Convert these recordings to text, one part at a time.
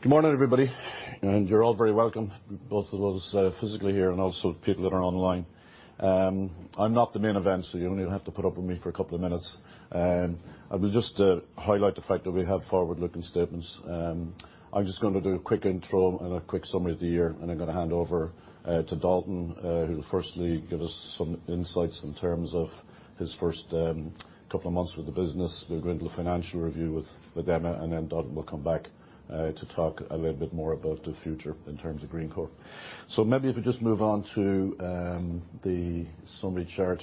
Good morning, everybody. You're all very welcome, both of those, physically here and also people that are online. I'm not the main event, so you only have to put up with me for a couple of minutes. I will just highlight the fact that we have forward-looking statements. I'm just gonna do a quick intro and a quick summary of the year, then I'm gonna hand over to Dalton, who will firstly give us some insights in terms of his first couple of months with the business. We'll go into the financial review with Emma, then Dalton will come back to talk a little bit more about the future in terms of Greencore. Maybe if we just move on to the summary chart.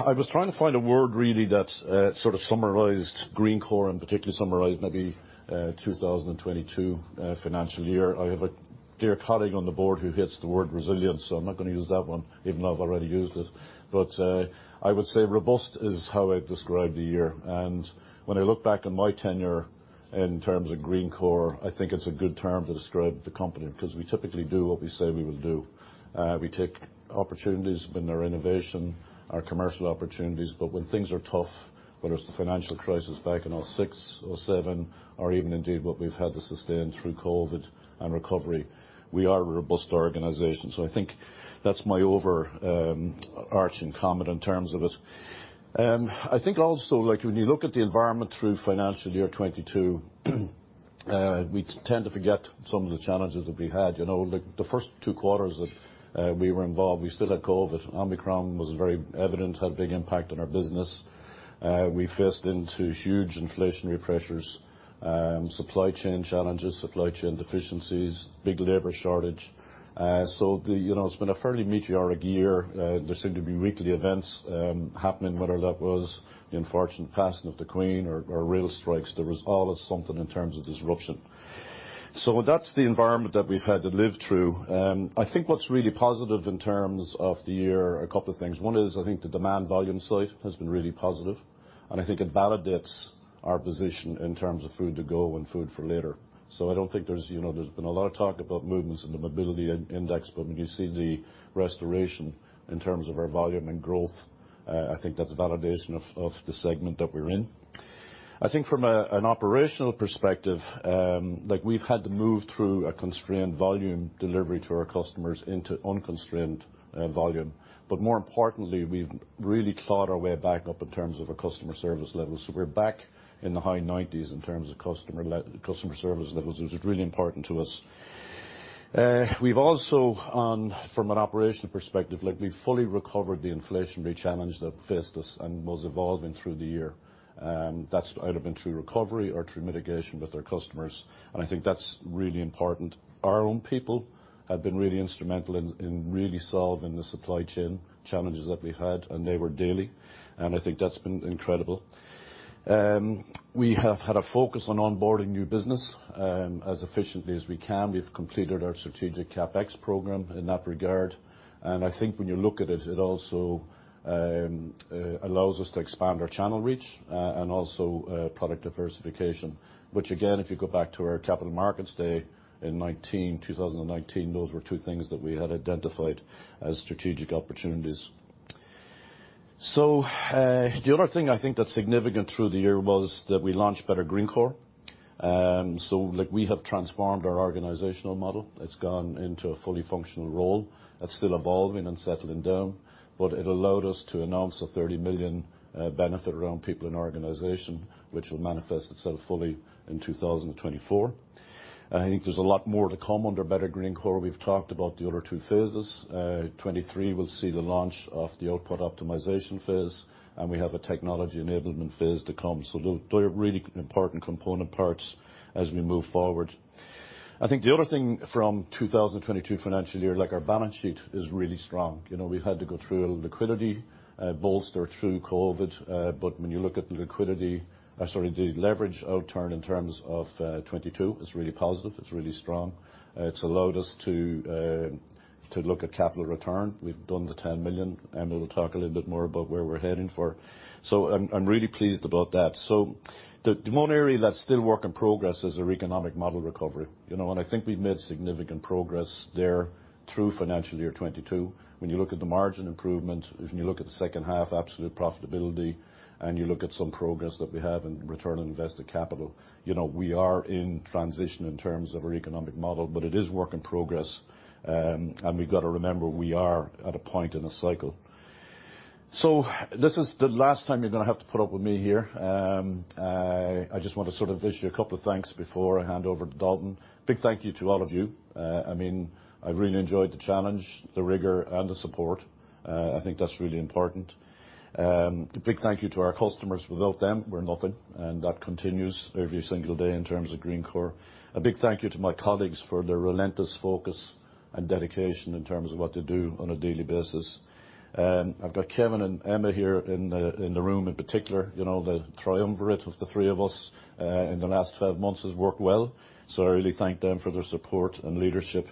I was trying to find a word really that sort of summarized Greencore and particularly summarized maybe 2022 financial year. I have a dear colleague on the board who hates the word resilience, so I'm not gonna use that one, even though I've already used it. I would say robust is how I'd describe the year. When I look back on my tenure in terms of Greencore, I think it's a good term to describe the company, because we typically do what we say we will do. We take opportunities when they're innovation or commercial opportunities. When things are tough, whether it's the financial crisis back in 2006, 2007, or even indeed what we've had to sustain through COVID and recovery, we are a robust organization. I think that's my over arching comment in terms of it. I think also, like when you look at the environment through financial year 2022, we tend to forget some of the challenges that we had. You know, the first two quarters that we were involved, we still had COVID. Omicron was very evident, had a big impact on our business. We faced into huge inflationary pressures, supply chain challenges, supply chain deficiencies, big labor shortage. The you know, it's been a fairly meteoric year. There seemed to be weekly events happening, whether that was the unfortunate passing of the Queen or rail strikes. There was always something in terms of disruption. That's the environment that we've had to live through. I think what's really positive in terms of the year, a couple of things. One is I think the demand volume side has been really positive, and I think it validates our position in terms of food to go and food for later. I don't think there's, you know, there's been a lot of talk about movements in the mobility index, when you see the restoration in terms of our volume and growth, I think that's a validation of the segment that we're in. I think from an operational perspective, like we've had to move through a constrained volume delivery to our customers into unconstrained volume. More importantly, we've really clawed our way back up in terms of our customer service levels. We're back in the high 90s in terms of customer service levels, which is really important to us. We've also from an operational perspective, like we've fully recovered the inflationary challenge that faced us and was evolving through the year. That's either been through recovery or through mitigation with our customers, I think that's really important. Our own people have been really instrumental in really solving the supply chain challenges that we had, they were daily, I think that's been incredible. We have had a focus on onboarding new business as efficiently as we can. We've completed our strategic CapEx program in that regard. I think when you look at it also allows us to expand our channel reach and also product diversification, which again, if you go back to our capital markets day in 2019, those were two things that we had identified as strategic opportunities. The other thing I think that's significant through the year was that we launched Better Greencore. Like we have transformed our organizational model. It's gone into a fully functional role. It's still evolving and settling down, but it allowed us to announce a 30 million benefit around people in our organization, which will manifest itself fully in 2024. I think there's a lot more to come under Better Greencore. We've talked about the other two phases. 2023, we'll see the launch of the output optimization phase, and we have a technology enablement phase to come. They're really important component parts as we move forward. I think the other thing from 2022 financial year, like our balance sheet is really strong. You know, we've had to go through a liquidity bolster through COVID, when you look at the liquidity, or sorry, the leverage outturn in terms of 22, it's really positive. It's really strong. It's allowed us to look at capital return. We've done the 10 million. Emma will talk a little bit more about where we're heading for. I'm really pleased about that. The one area that's still work in progress is our economic model recovery. You know, I think we've made significant progress there through financial year 22. When you look at the margin improvement, when you look at the second half absolute profitability, you look at some progress that we have in return on invested capital, you know, we are in transition in terms of our economic model, it is work in progress. We've got to remember, we are at a point in the cycle. This is the last time you're gonna have to put up with me here. I just want to sort of issue a couple of thanks before I hand over to Dalton. Big thank you to all of you. I mean, I've really enjoyed the challenge, the rigor and the support. I think that's really important. A big thank you to our customers. Without them, we're nothing, and that continues every single day in terms of Greencore. A big thank you to my colleagues for their relentless focus and dedication in terms of what they do on a daily basis. I've got Kevin and Emma here in the room in particular. You know, the triumvirate of the three of us, in the last 12 months has worked well. I really thank them for their support and leadership.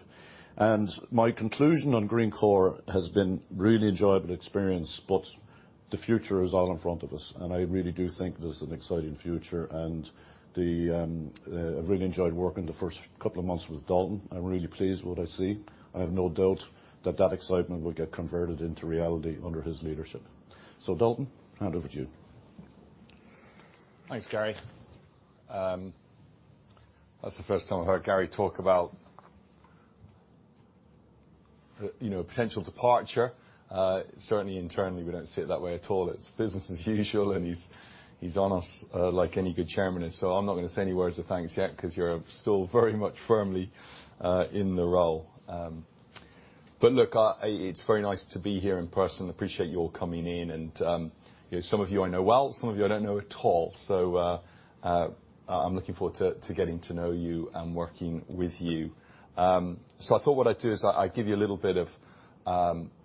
My conclusion on Greencore, has been really enjoyable experience, but the future is all in front of us, and I really do think it is an exciting future. I've really enjoyed working the first couple of months with Dalton. I'm really pleased with what I see. I have no doubt that that excitement will get converted into reality under his leadership. Dalton, hand over to you. Thanks, Gary. That's the first time I've heard Gary talk about, you know, potential departure. Certainly internally, we don't see it that way at all. It's business as usual, and he's on us, like any good chairman is. I'm not gonna say any words of thanks yet, 'cause you're still very much firmly in the role. Look, it's very nice to be here in person. Appreciate you all coming in, and, you know, some of you I know well, some of you I don't know at all. I'm looking forward to getting to know you and working with you. I thought what I'd do is I'd give you a little bit of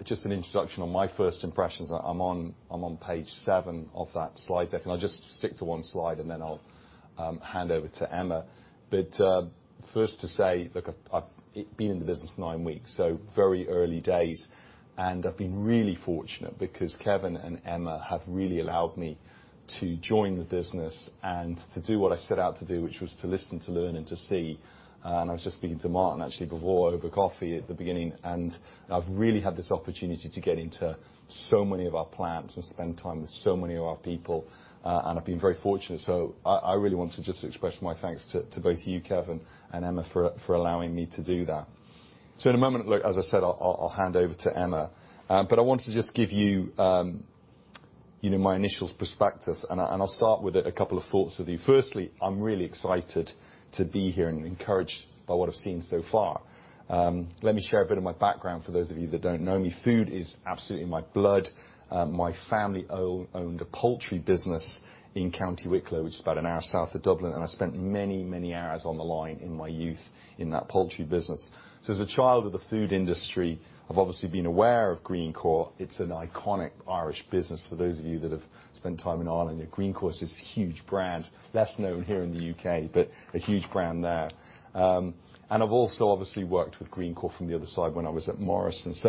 just an introduction on my first impressions. I'm on page seven of that slide deck. I'll just stick to one slide. I'll hand over to Emma. First to say, look, I've been in the business nine weeks, so very early days, and I've been really fortunate because Kevin and Emma have really allowed me to join the business and to do what I set out to do, which was to listen, to learn, and to see. I was just speaking to Martin, actually, before over coffee at the beginning, and I've really had this opportunity to get into so many of our plants and spend time with so many of our people. I've been very fortunate. I really want to just express my thanks to both you, Kevin, and Emma for allowing me to do that. In a moment, as I said, I'll hand over to Emma. I want to just give you know, my initial perspective, and I'll start with a couple of thoughts with you. Firstly, I'm really excited to be here and encouraged by what I've seen so far. Let me share a bit of my background for those of you that don't know me. Food is absolutely my blood. My family owned a poultry business in County Wicklow, which is about an hour south of Dublin, and I spent many, many hours on the line in my youth in that poultry business. As a child of the food industry, I've obviously been aware of Greencore. It's an iconic Irish business for those of you that have spent time in Ireland. Greencore is this huge brand, less known here in the U.K., but a huge brand there. I've also obviously worked with Greencore from the other side when I was at Morrisons.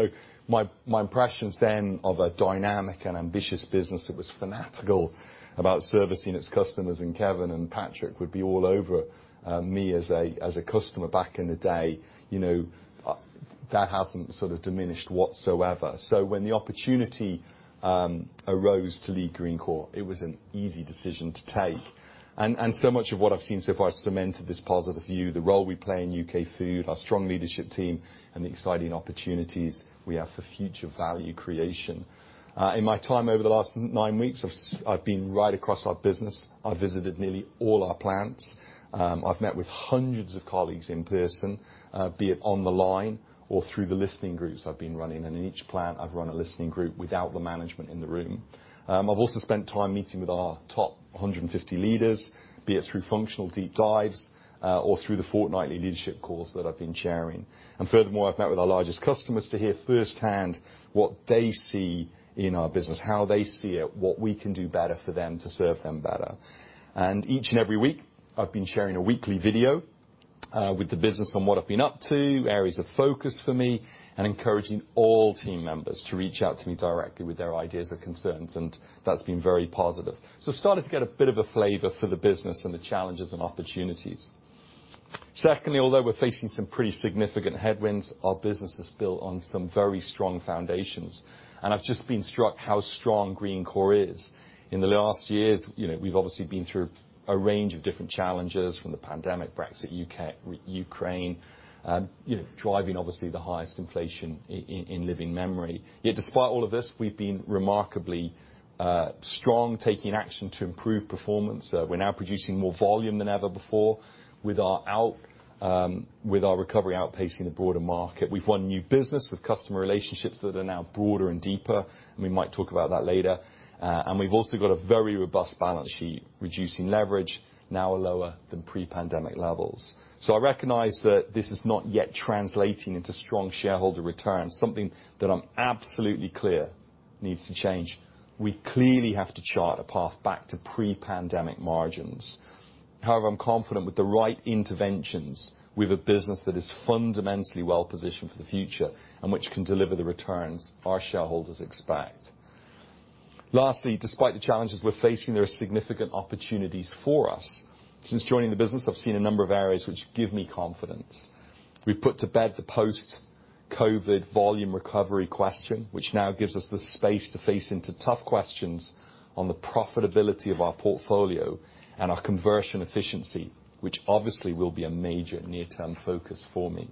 My impressions then of a dynamic and ambitious business that was fanatical about servicing its customers, and Kevin and Patrick would be all over, me as a customer back in the day, you know, that hasn't sort of diminished whatsoever. When the opportunity arose to lead Greencore, it was an easy decision to take. So much of what I've seen so far cemented this positive view, the role we play in U.K. food, our strong leadership team, and the exciting opportunities we have for future value creation. In my time over the last nine weeks, I've been right across our business. I've visited nearly all our plants. I've met with hundreds of colleagues in person, be it on the line or through the listening groups I've been running. In each plant, I've run a listening group without the management in the room. I've also spent time meeting with our top 150 leaders, be it through functional deep dives, or through the fortnightly leadership course that I've been chairing. Furthermore, I've met with our largest customers to hear firsthand what they see in our business, how they see it, what we can do better for them to serve them better. Each and every week, I've been sharing a weekly video with the business on what I've been up to, areas of focus for me, and encouraging all team members to reach out to me directly with their ideas or concerns, and that's been very positive. Starting to get a bit of a flavor for the business and the challenges and opportunities. Secondly, although we're facing some pretty significant headwinds, our business is built on some very strong foundations, and I've just been struck how strong Greencore is. In the last years, you know, we've obviously been through a range of different challenges from the pandemic, Brexit, U.K., Ukraine, you know, driving obviously the highest inflation in living memory. Yet despite all of this, we've been remarkably strong, taking action to improve performance. We're now producing more volume than ever before with our recovery outpacing the broader market. We've won new business with customer relationships that are now broader and deeper. We might talk about that later. We've also got a very robust balance sheet, reducing leverage now lower than pre-pandemic levels. I recognize that this is not yet translating into strong shareholder returns, something that I'm absolutely clear needs to change. We clearly have to chart a path back to pre-pandemic margins. However, I'm confident with the right interventions, we've a business that is fundamentally well positioned for the future and which can deliver the returns our shareholders expect. Lastly, despite the challenges we're facing, there are significant opportunities for us. Since joining the business, I've seen a number of areas which give me confidence. We've put to bed the post-COVID volume recovery question, which now gives us the space to face into tough questions on the profitability of our portfolio and our conversion efficiency, which obviously will be a major near-term focus for me.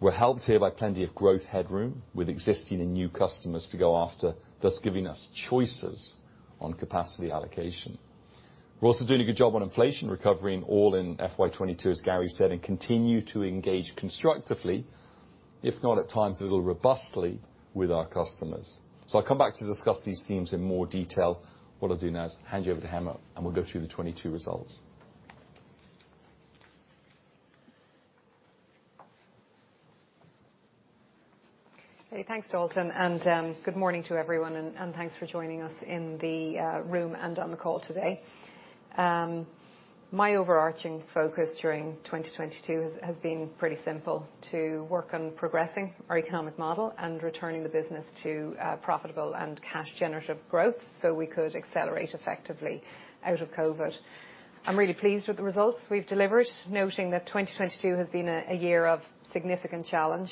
We're helped here by plenty of growth headroom with existing and new customers to go after, thus giving us choices on capacity allocation. We're also doing a good job on inflation recovery and all in FY 2022, as Gary said, and continue to engage constructively, if not at times a little robustly, with our customers. I'll come back to discuss these themes in more detail. What I'll do now is hand you over to Emma, and we'll go through the 2022 results. Hey, thanks, Dalton, and good morning to everyone and thanks for joining us in the room and on the call today. My overarching focus during 2022 has been pretty simple, to work on progressing our economic model and returning the business to profitable and cash generative growth so we could accelerate effectively out of COVID. I'm really pleased with the results we've delivered, noting that 2022 has been a year of significant challenge,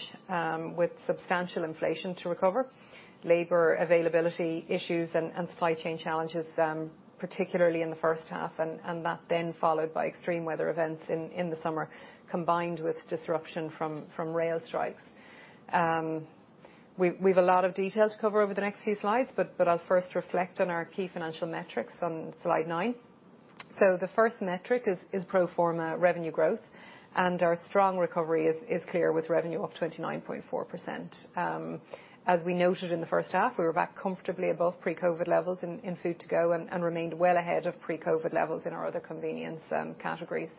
with substantial inflation to recover, labor availability issues and supply chain challenges, particularly in the first half, and that then followed by extreme weather events in the summer, combined with disruption from rail strikes. We've a lot of detail to cover over the next few slides, but I'll first reflect on our key financial metrics on slide nine. The first metric is pro forma revenue growth, and our strong recovery is clear with revenue up 29.4%. As we noted in the first half, we were back comfortably above pre-COVID levels in food to go and remained well ahead of pre-COVID levels in our other convenience categories.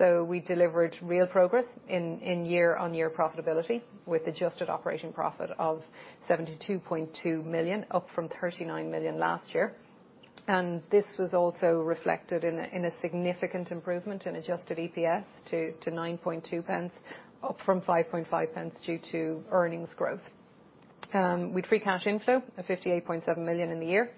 We delivered real progress in year-on-year profitability with adjusted operating profit of 72.2 million, up from 39 million last year. This was also reflected in a significant improvement in adjusted EPS to 0.092, up from 0.055 due to earnings growth. With free cash inflow of 58.7 million in the year,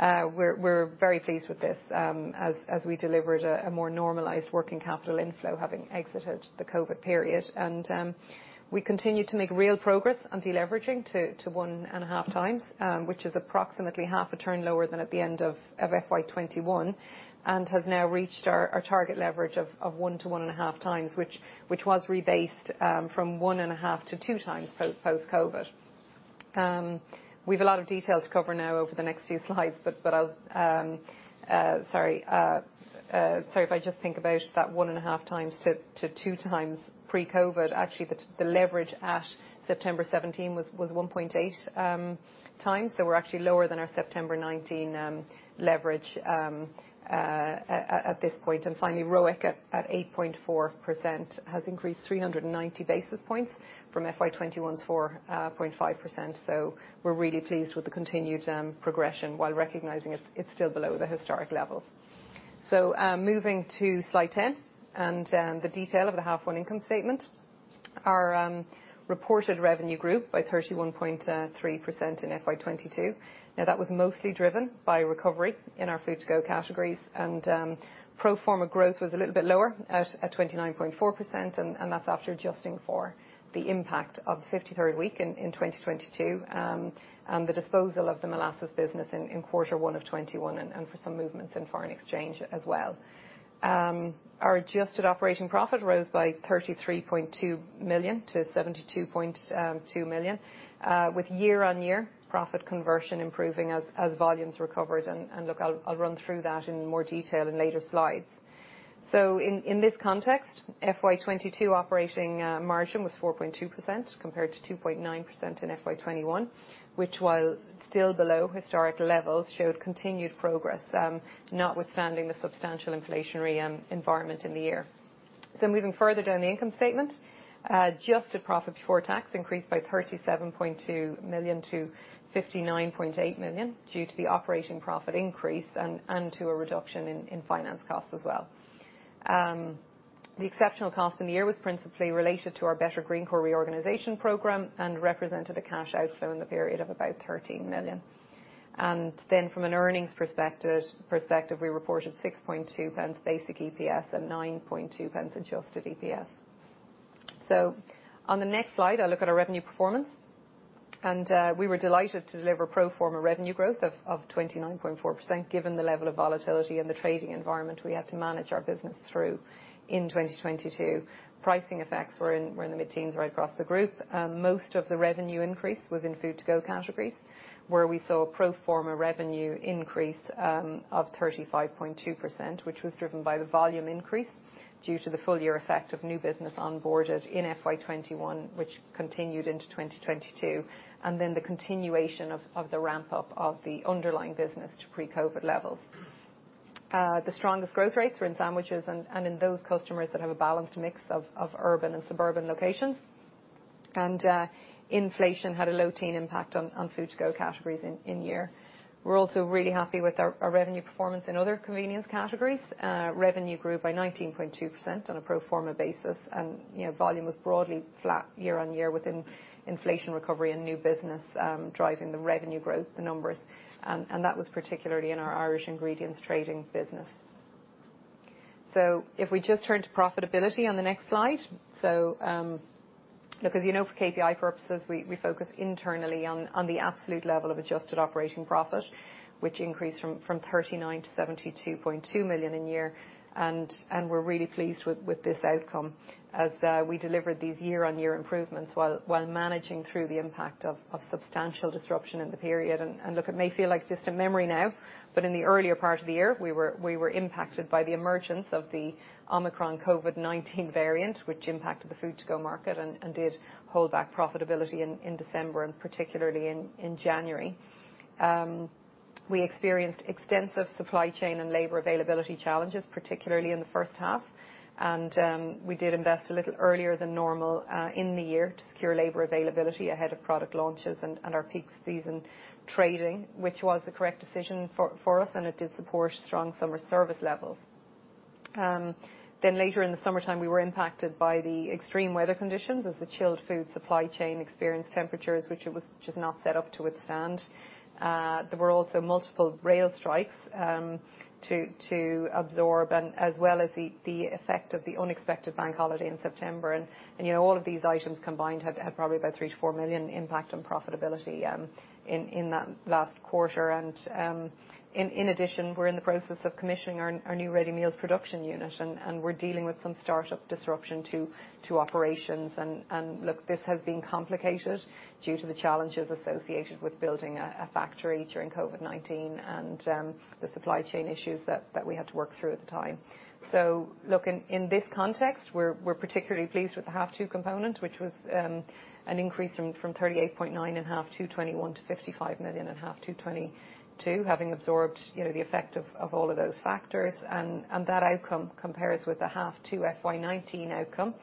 we're very pleased with this as we delivered a more normalized working capital inflow having exited the COVID period. We continue to make real progress on de-leveraging to 1.5 times, which is approximately 0.5 turn lower than at the end of FY 2021, and has now reached our target leverage of 1-1.5 times, which was rebased from 1.5-2 times post-COVID. We've a lot of detail to cover now over the next few slides, but Sorry, if I just think about that 1.5 times to 2 times pre-COVID, actually the leverage at September 17 was 1.8 times. We're actually lower than our September 19 leverage at this point. Finally, ROIC at 8.4% has increased 390 basis points from FY21's 4.5%. We're really pleased with the continued progression while recognizing it's still below the historic level. Moving to slide 10, and the detail of the half one income statement. Our reported revenue grew by 31.3% in FY22. That was mostly driven by recovery in our food to go categories. Pro forma growth was a little bit lower at 29.4%, and that's after adjusting for the impact of the 53rd week in 2022, and the disposal of the molasses business in Q1 of 2021 and for some movements in foreign exchange as well. Our adjusted operating profit rose by 33.2 million-72.2 million with year-on-year profit conversion improving as volumes recovered. Look, I'll run through that in more detail in later slides. In this context, FY22 operating margin was 4.2% compared to 2.9% in FY21, which, while still below historic levels, showed continued progress notwithstanding the substantial inflationary environment in the year. Moving further down the income statement, adjusted profit before tax increased by 37.2 million-59.8 million due to the operating profit increase and to a reduction in finance costs as well. The exceptional cost in the year was principally related to our Better Greencore reorganization program and represented a cash outflow in the period of about 13 million. From an earnings perspective, we reported 0.062 pounds basic EPS and 0.092 pounds adjusted EPS. On the next slide, I look at our revenue performance. We were delighted to deliver pro forma revenue growth of 29.4% given the level of volatility in the trading environment we had to manage our business through in 2022. Pricing effects were in the mid-teens right across the group. Most of the revenue increase was in food to go categories, where we saw a pro forma revenue increase, of 35.2%, which was driven by the volume increase due to the full year effect of new business onboarded in FY 2021, which continued into 2022, and then the continuation of the ramp-up of the underlying business to pre-COVID levels. The strongest growth rates were in sandwiches and in those customers that have a balanced mix of urban and suburban locations. Inflation had a low teen impact on food to go categories in-year. We're also really happy with our revenue performance in other convenience categories. Revenue grew by 19.2% on a pro forma basis. You know, volume was broadly flat year-on-year within inflation recovery and new business driving the revenue growth, the numbers. That was particularly in our Irish ingredients trading business. If we just turn to profitability on the next slide. Look, as you know, for KPI purposes, we focus internally on the absolute level of adjusted operating profit, which increased from 39 million to 72.2 million in year. We're really pleased with this outcome as we delivered these year-on-year improvements while managing through the impact of substantial disruption in the period. Look, it may feel like just a memory now, but in the earlier part of the year, we were impacted by the emergence of the Omicron COVID-19 variant, which impacted the food to go market and did hold back profitability in December and particularly in January. We experienced extensive supply chain and labor availability challenges, particularly in the first half. We did invest a little earlier than normal in the year to secure labor availability ahead of product launches and our peak season trading, which was the correct decision for us, and it did support strong summer service levels. Later in the summertime, we were impacted by the extreme weather conditions as the chilled food supply chain experienced temperatures which it was just not set up to withstand. There were also multiple rail strikes to absorb, as well as the effect of the unexpected bank holiday in September. You know, all of these items combined had probably about 3 million-4 million impact on profitability in that last quarter. In addition, we're in the process of commissioning our new ready meals production unit, and we're dealing with some startup disruption to operations. Look, this has been complicated due to the challenges associated with building a factory during COVID-19 and the supply chain issues that we had to work through at the time. Look, in this context, we're particularly pleased with the half two component, which was an increase from 38.9 million in half two 2021 to 55 million in half two 2022, having absorbed, you know, the effect of all of those factors. That outcome compares with the half two FY 2019 outcome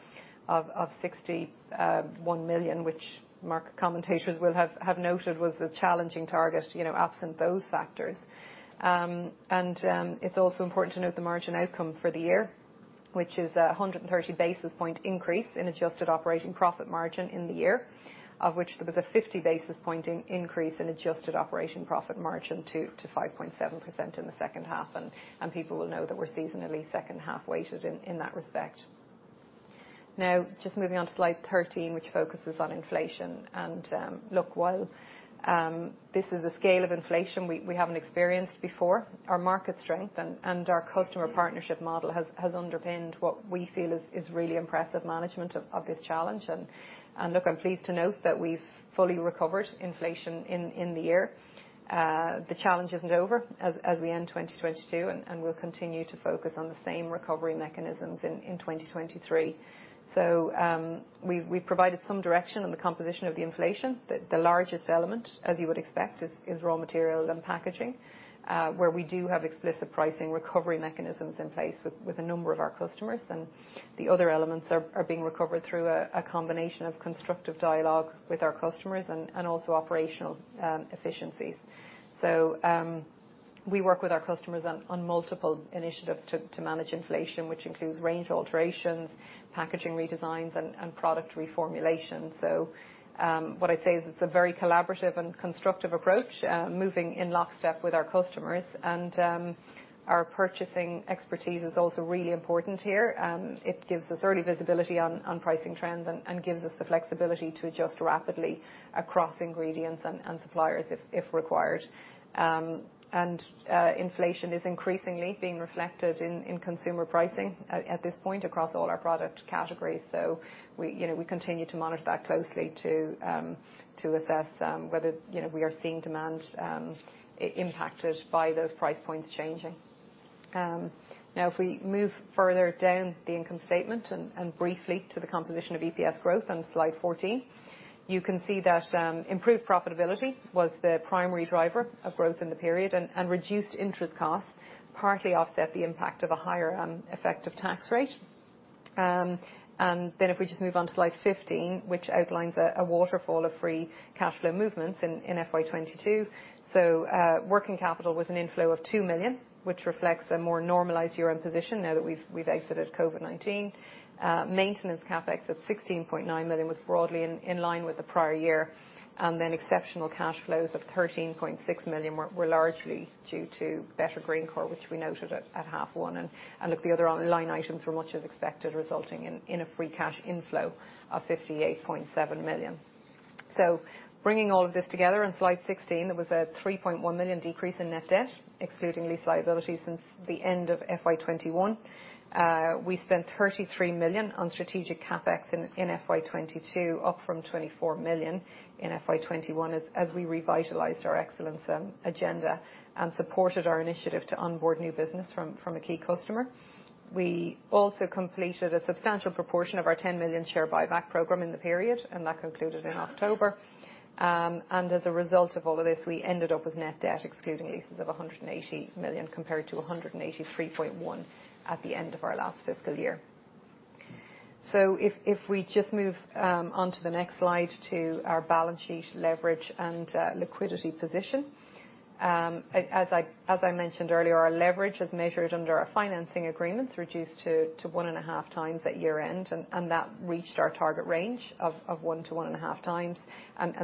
of 61 million, which market commentators will have noted was a challenging target, you know, absent those factors. It's also important to note the margin outcome for the year, which is a 130 basis point increase in adjusted operating profit margin in the year, of which there was a 50 basis point increase in adjusted operating profit margin to 5.7% in the second half. People will know that we're seasonally second half-weighted in that respect. Just moving on to slide 13, which focuses on inflation. Look, while this is a scale of inflation we haven't experienced before, our market strength and our customer partnership model has underpinned what we feel is really impressive management of this challenge. Look, I'm pleased to note that we've fully recovered inflation in the year. The challenge isn't over as we end 2022, and we'll continue to focus on the same recovery mechanisms in 2023. We provided some direction on the composition of the inflation. The largest element, as you would expect, is raw materials and packaging, where we do have explicit pricing recovery mechanisms in place with a number of our customers. The other elements are being recovered through a combination of constructive dialogue with our customers and also operational efficiencies. We work with our customers on multiple initiatives to manage inflation, which includes range alterations, packaging redesigns, and product reformulation. What I'd say is it's a very collaborative and constructive approach, moving in lockstep with our customers. Our purchasing expertise is also really important here. It gives us early visibility on pricing trends and gives us the flexibility to adjust rapidly across ingredients and suppliers if required. Inflation is increasingly being reflected in consumer pricing at this point across all our product categories. We, you know, we continue to monitor that closely to assess whether, you know, we are seeing demand impacted by those price points changing. If we move further down the income statement and briefly to the composition of EPS growth on slide 14, you can see that improved profitability was the primary driver of growth in the period, and reduced interest costs partly offset the impact of a higher effective tax rate. If we just move on to slide 15, which outlines a waterfall of free cash flow movements in FY 2022. Working capital was an inflow of 2 million, which reflects a more normalized year-end position now that we've exited COVID-19. Maintenance CapEx of 16.9 million was broadly in line with the prior year. Exceptional cash flows of 13.6 million were largely due to Better Greencore, which we noted at half one. Look, the other line items were much as expected, resulting in a free cash inflow of 58.7 million. Bringing all of this together on slide 16, there was a 3.1 million decrease in net debt, excluding lease liabilities since the end of FY 2021. We spent 33 million on strategic CapEx in FY 2022, up from 24 million in FY 2021 as we revitalized our excellence agenda and supported our initiative to onboard new business from a key customer. We also completed a substantial proportion of our 10 million share buyback program in the period, and that concluded in October. As a result of all of this, we ended up with net debt, excluding leases, of 180 million, compared to 183.1 at the end of our last fiscal year. If we just move on to the next slide to our balance sheet leverage and liquidity position. As I mentioned earlier, our leverage as measured under our financing agreements reduced to 1.5 times at year-end, and that reached our target range of 1 to 1.5 times.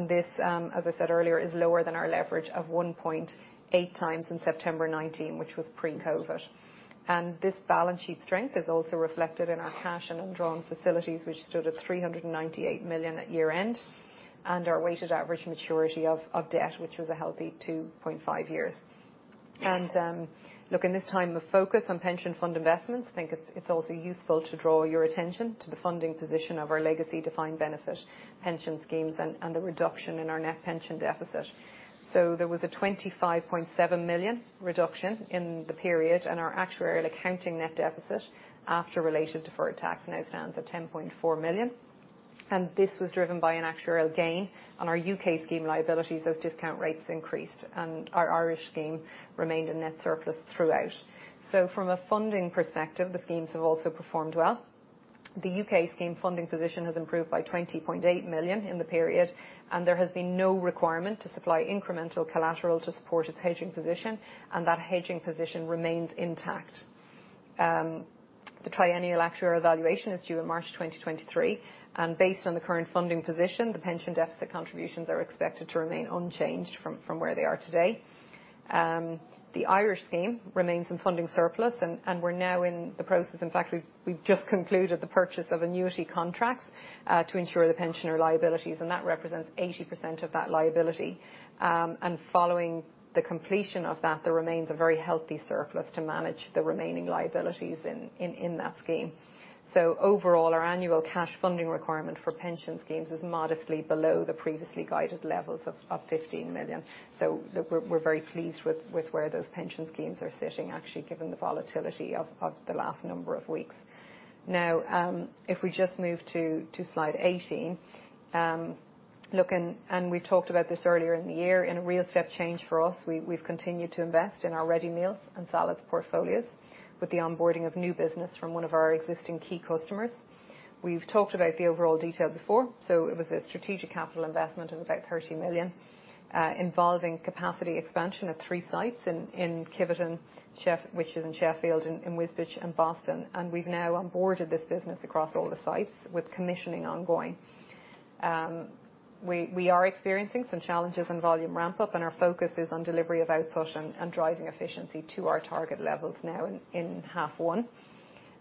This, as I said earlier, is lower than our leverage of 1.8 times in September 2019, which was pre-COVID. This balance sheet strength is also reflected in our cash and undrawn facilities, which stood at 398 million at year-end, and our weighted average maturity of debt, which was a healthy 2.5 years. Look, in this time of focus on pension fund investments, I think it's also useful to draw your attention to the funding position of our legacy defined benefit pension schemes and the reduction in our net pension deficit. There was a 25.7 million reduction in the period, and our actuarial accounting net deficit after related deferred tax now stands at 10.4 million. This was driven by an actuarial gain on our U.K. scheme liabilities as discount rates increased, and our Irish scheme remained in net surplus throughout. From a funding perspective, the schemes have also performed well. The U.K. scheme funding position has improved by 20.8 million in the period, and there has been no requirement to supply incremental collateral to support its hedging position, and that hedging position remains intact. The triennial actuarial valuation is due in March 2023. Based on the current funding position, the pension deficit contributions are expected to remain unchanged from where they are today. The Irish scheme remains in funding surplus, and we're now in the process... In fact, we've just concluded the purchase of annuity contracts to insure the pensioner liabilities. That represents 80% of that liability. Following the completion of that, there remains a very healthy surplus to manage the remaining liabilities in that scheme. Overall, our annual cash funding requirement for pension schemes is modestly below the previously guided levels of 15 million. We're very pleased with where those pension schemes are sitting actually, given the volatility of the last number of weeks. If we just move to slide 18, look in, and we talked about this earlier in the year. In a real step change for us, we've continued to invest in our ready meals and salads portfolios with the onboarding of new business from one of our existing key customers. We've talked about the overall detail before. It was a strategic capital investment of about 30 million, involving capacity expansion at 3 sites in Kiveton, which is in Sheffield, in Wisbech and Boston. We've now onboarded this business across all the sites with commissioning ongoing. We are experiencing some challenges in volume ramp-up, and our focus is on delivery of output and driving efficiency to our target levels now in half one.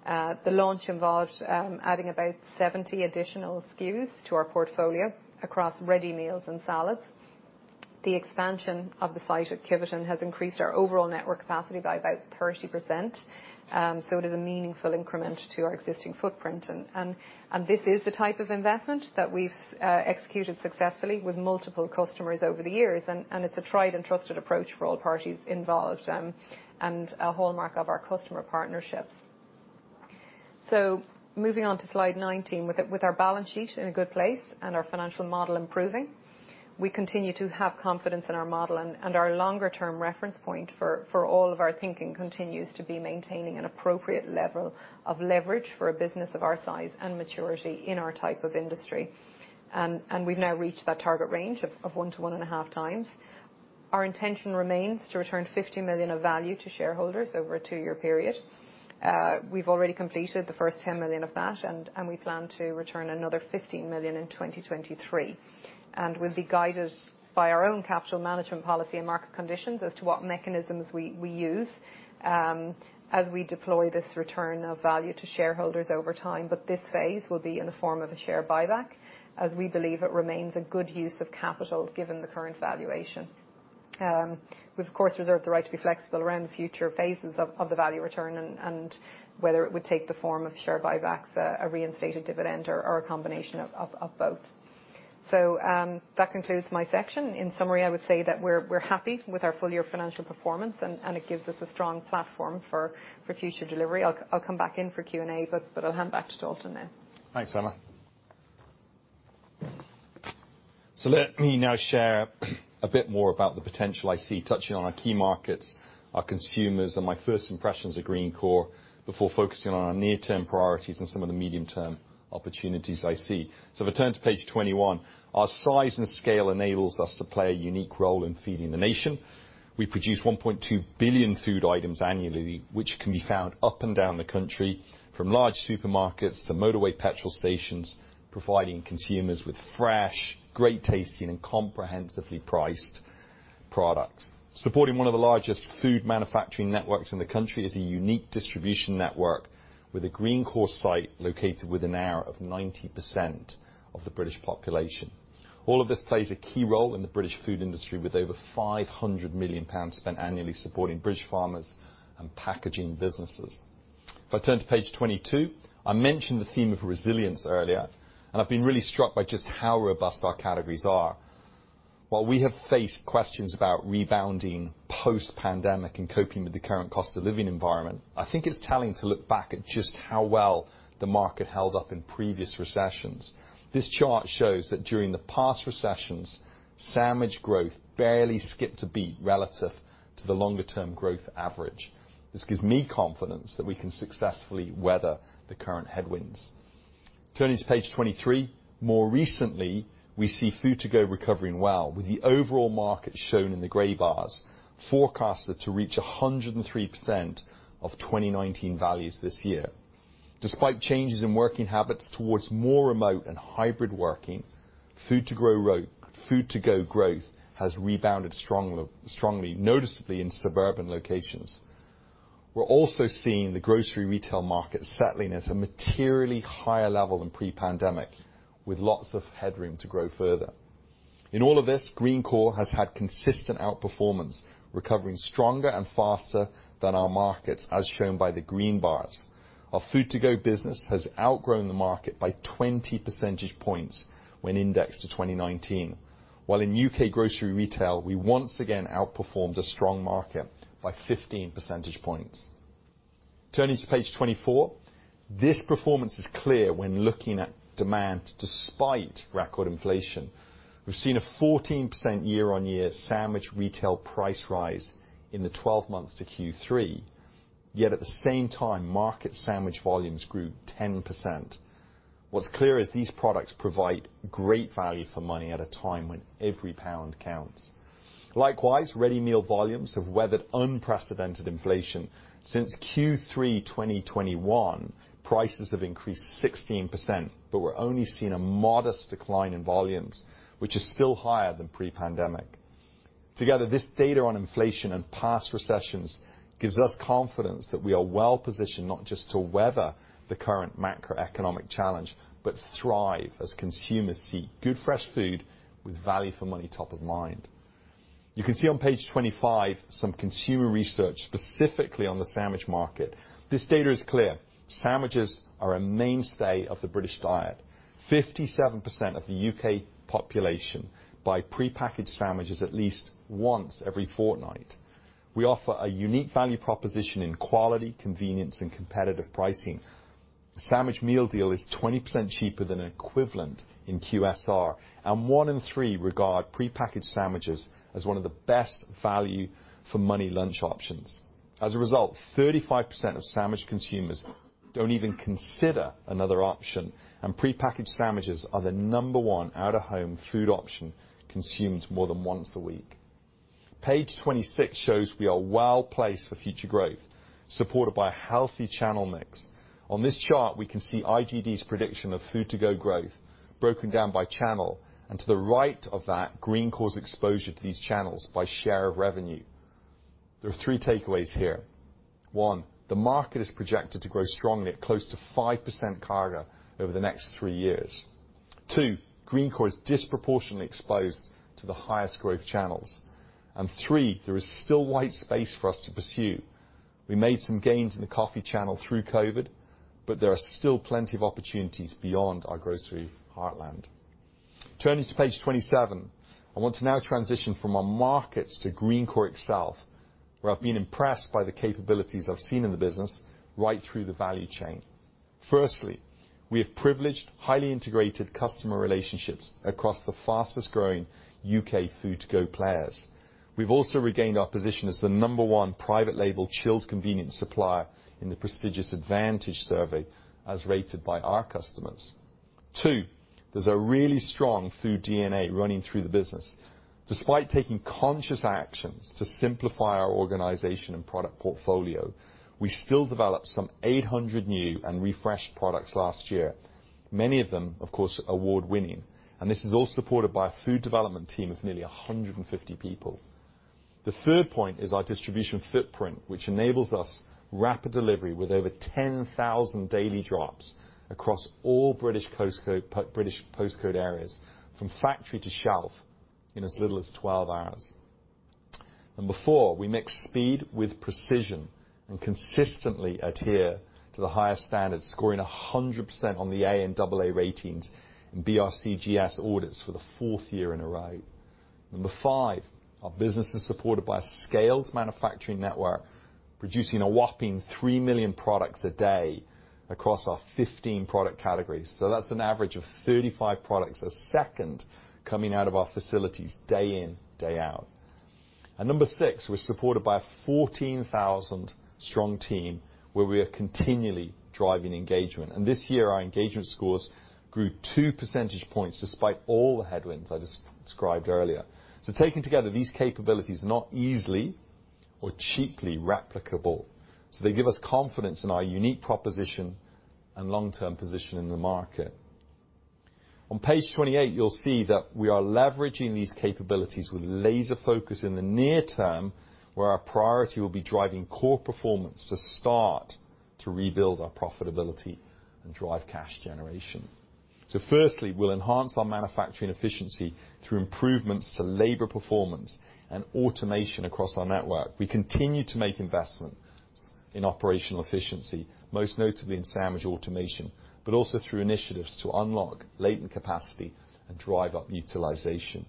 The launch involved adding about 70 additional SKUs to our portfolio across ready meals and salads. The expansion of the site at Kiveton has increased our overall network capacity by about 30%. It is a meaningful increment to our existing footprint. This is the type of investment that we've executed successfully with multiple customers over the years. It's a tried and trusted approach for all parties involved and a hallmark of our customer partnerships. Moving on to slide 19. With our balance sheet in a good place and our financial model improving, we continue to have confidence in our model. Our longer term reference point for all of our thinking continues to be maintaining an appropriate level of leverage for a business of our size and maturity in our type of industry. We've now reached that target range of 1 to 1.5 times. Our intention remains to return 50 million of value to shareholders over a two-year period. We've already completed the first 10 million of that, and we plan to return another 15 million in 2023. We'll be guided by our own capital management policy and market conditions as to what mechanisms we use as we deploy this return of value to shareholders over time. This phase will be in the form of a share buyback, as we believe it remains a good use of capital, given the current valuation. We've of course reserved the right to be flexible around the future phases of the value return and whether it would take the form of share buybacks, a reinstated dividend or a combination of both. That concludes my section. In summary, I would say that we're happy with our full year financial performance, and it gives us a strong platform for future delivery. I'll come back in for Q&A, but I'll hand back to Dalton now. Thanks, Emma. Let me now share a bit more about the potential I see touching on our key markets, our consumers, and my first impressions of Greencore before focusing on our near-term priorities and some of the medium-term opportunities I see. If I turn to page 21, our size and scale enables us to play a unique role in feeding the nation. We produce 1.2 billion food items annually, which can be found up and down the country, from large supermarkets to motorway petrol stations, providing consumers with fresh, great tasting and comprehensively priced products. Supporting one of the largest food manufacturing networks in the country is a unique distribution network with a Greencore site located within an hour of 90% of the British population. All of this plays a key role in the British food industry, with over 500 million pounds spent annually supporting British farmers and packaging businesses. I turn to page 22, I mentioned the theme of resilience earlier, and I've been really struck by just how robust our categories are. While we have faced questions about rebounding post-pandemic and coping with the current cost of living environment, I think it's telling to look back at just how well the market held up in previous recessions. This chart shows that during the past recessions, sandwich growth barely skipped a beat relative to the longer term growth average. This gives me confidence that we can successfully weather the current headwinds. Turning to page 23. More recently, we see Food to Go recovering well, with the overall market shown in the gray bars forecasted to reach 103% of 2019 values this year. Despite changes in working habits towards more remote and hybrid working, Food to Go growth has rebounded strongly, noticeably in suburban locations. We're also seeing the grocery retail market settling at a materially higher level than pre-pandemic, with lots of headroom to grow further. In all of this, Greencore has had consistent outperformance, recovering stronger and faster than our markets, as shown by the green bars. Our Food to Go business has outgrown the market by 20 percentage points when indexed to 2019. While in U.K. grocery retail, we once again outperformed a strong market by 15 percentage points. Turning to page 24. This performance is clear when looking at demand despite record inflation. We've seen a 14% year-on-year sandwich retail price rise in the 12 months to Q3. At the same time, market sandwich volumes grew 10%. What's clear is these products provide great value for money at a time when every pound counts. Likewise, ready meal volumes have weathered unprecedented inflation. Since Q3, 2021, prices have increased 16%, but we're only seeing a modest decline in volumes, which is still higher than pre-pandemic. Together, this data on inflation and past recessions gives us confidence that we are well-positioned not just to weather the current macroeconomic challenge, but thrive as consumers seek good fresh food with value for money top of mind. You can see on page 25 some consumer research specifically on the sandwich market. This data is clear. Sandwiches are a mainstay of the British diet. 57% of the U.K. population buy prepackaged sandwiches at least once every fortnight. We offer a unique value proposition in quality, convenience, and competitive pricing. Sandwich meal deal is 20% cheaper than equivalent in QSR, and one in three regard prepackaged sandwiches as one of the best value for money lunch options. As a result, 35% of sandwich consumers don't even consider another option, and prepackaged sandwiches are the number one out-of-home food option consumed more than once a week. Page 26 shows we are well-placed for future growth, supported by a healthy channel mix. On this chart, we can see IGD's prediction of food to go growth broken down by channel. To the right of that, Greencore's exposure to these channels by share of revenue. There are three takeaways here. One, the market is projected to grow strongly at close to 5% CAGR over the next three years. Two, Greencore is disproportionately exposed to the highest growth channels. Three, there is still white space for us to pursue. We made some gains in the coffee channel through COVID, but there are still plenty of opportunities beyond our grocery heartland. Turning to page 27, I want to now transition from our markets to Greencore itself, where I've been impressed by the capabilities I've seen in the business right through the value chain. Firstly, we have privileged, highly integrated customer relationships across the fastest-growing U.K. food to go players. We've also regained our position as the number one private label chilled convenience supplier in the prestigious Advantage survey as rated by our customers. Two, there's a really strong food DNA running through the business. Despite taking conscious actions to simplify our organization and product portfolio, we still developed some 800 new and refreshed products last year. Many of them, of course, award-winning. This is all supported by a food development team of nearly 150 people. The third point is our distribution footprint, which enables us rapid delivery with over 10,000 daily drops across all British post code, British post code areas from factory to shelf in as little as 12 hours. Number four, we mix speed with precision and consistently adhere to the highest standards, scoring 100% on the A and double A ratings in BRCGS audits for the fourth year in a row. Number five, our business is supported by a scaled manufacturing network, producing a whopping 3 million products a day across our 15 product categories. That's an average of 35 products a second coming out of our facilities day in, day out. Number six, we're supported by a 14,000 strong team where we are continually driving engagement. This year, our engagement scores grew 2 percentage points despite all the headwinds I described earlier. Taken together, these capabilities are not easily or cheaply replicable, so they give us confidence in our unique proposition and long-term position in the market. On page 28, you'll see that we are leveraging these capabilities with laser focus in the near term, where our priority will be driving core performance to start to rebuild our profitability and drive cash generation. Firstly, we'll enhance our manufacturing efficiency through improvements to labor performance and automation across our network. We continue to make investments in operational efficiency, most notably in sandwich automation, but also through initiatives to unlock latent capacity and drive up utilization.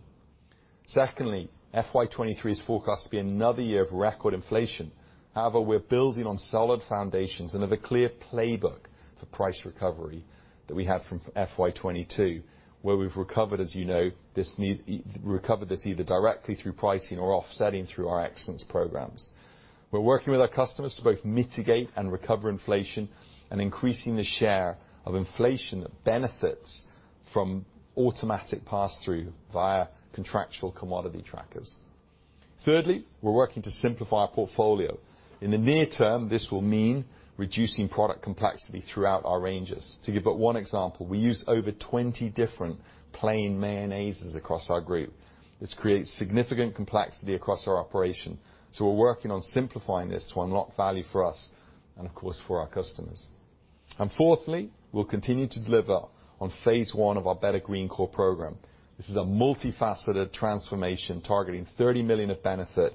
FY 2023 is forecast to be another year of record inflation. We're building on solid foundations and have a clear playbook for price recovery that we have from FY 2022, where we've recovered, as you know, this either directly through pricing or offsetting through our excellence programs. We're working with our customers to both mitigate and recover inflation and increasing the share of inflation that benefits from automatic pass-through via contractual commodity trackers. We're working to simplify our portfolio. In the near term, this will mean reducing product complexity throughout our ranges. To give but one example, we use over 20 different plain mayonnaises across our group. This creates significant complexity across our operation, so we're working on simplifying this to unlock value for us and of course for our customers. Fourthly, we'll continue to deliver on phase I of our Better Greencore program. This is a multifaceted transformation targeting 30 million of benefit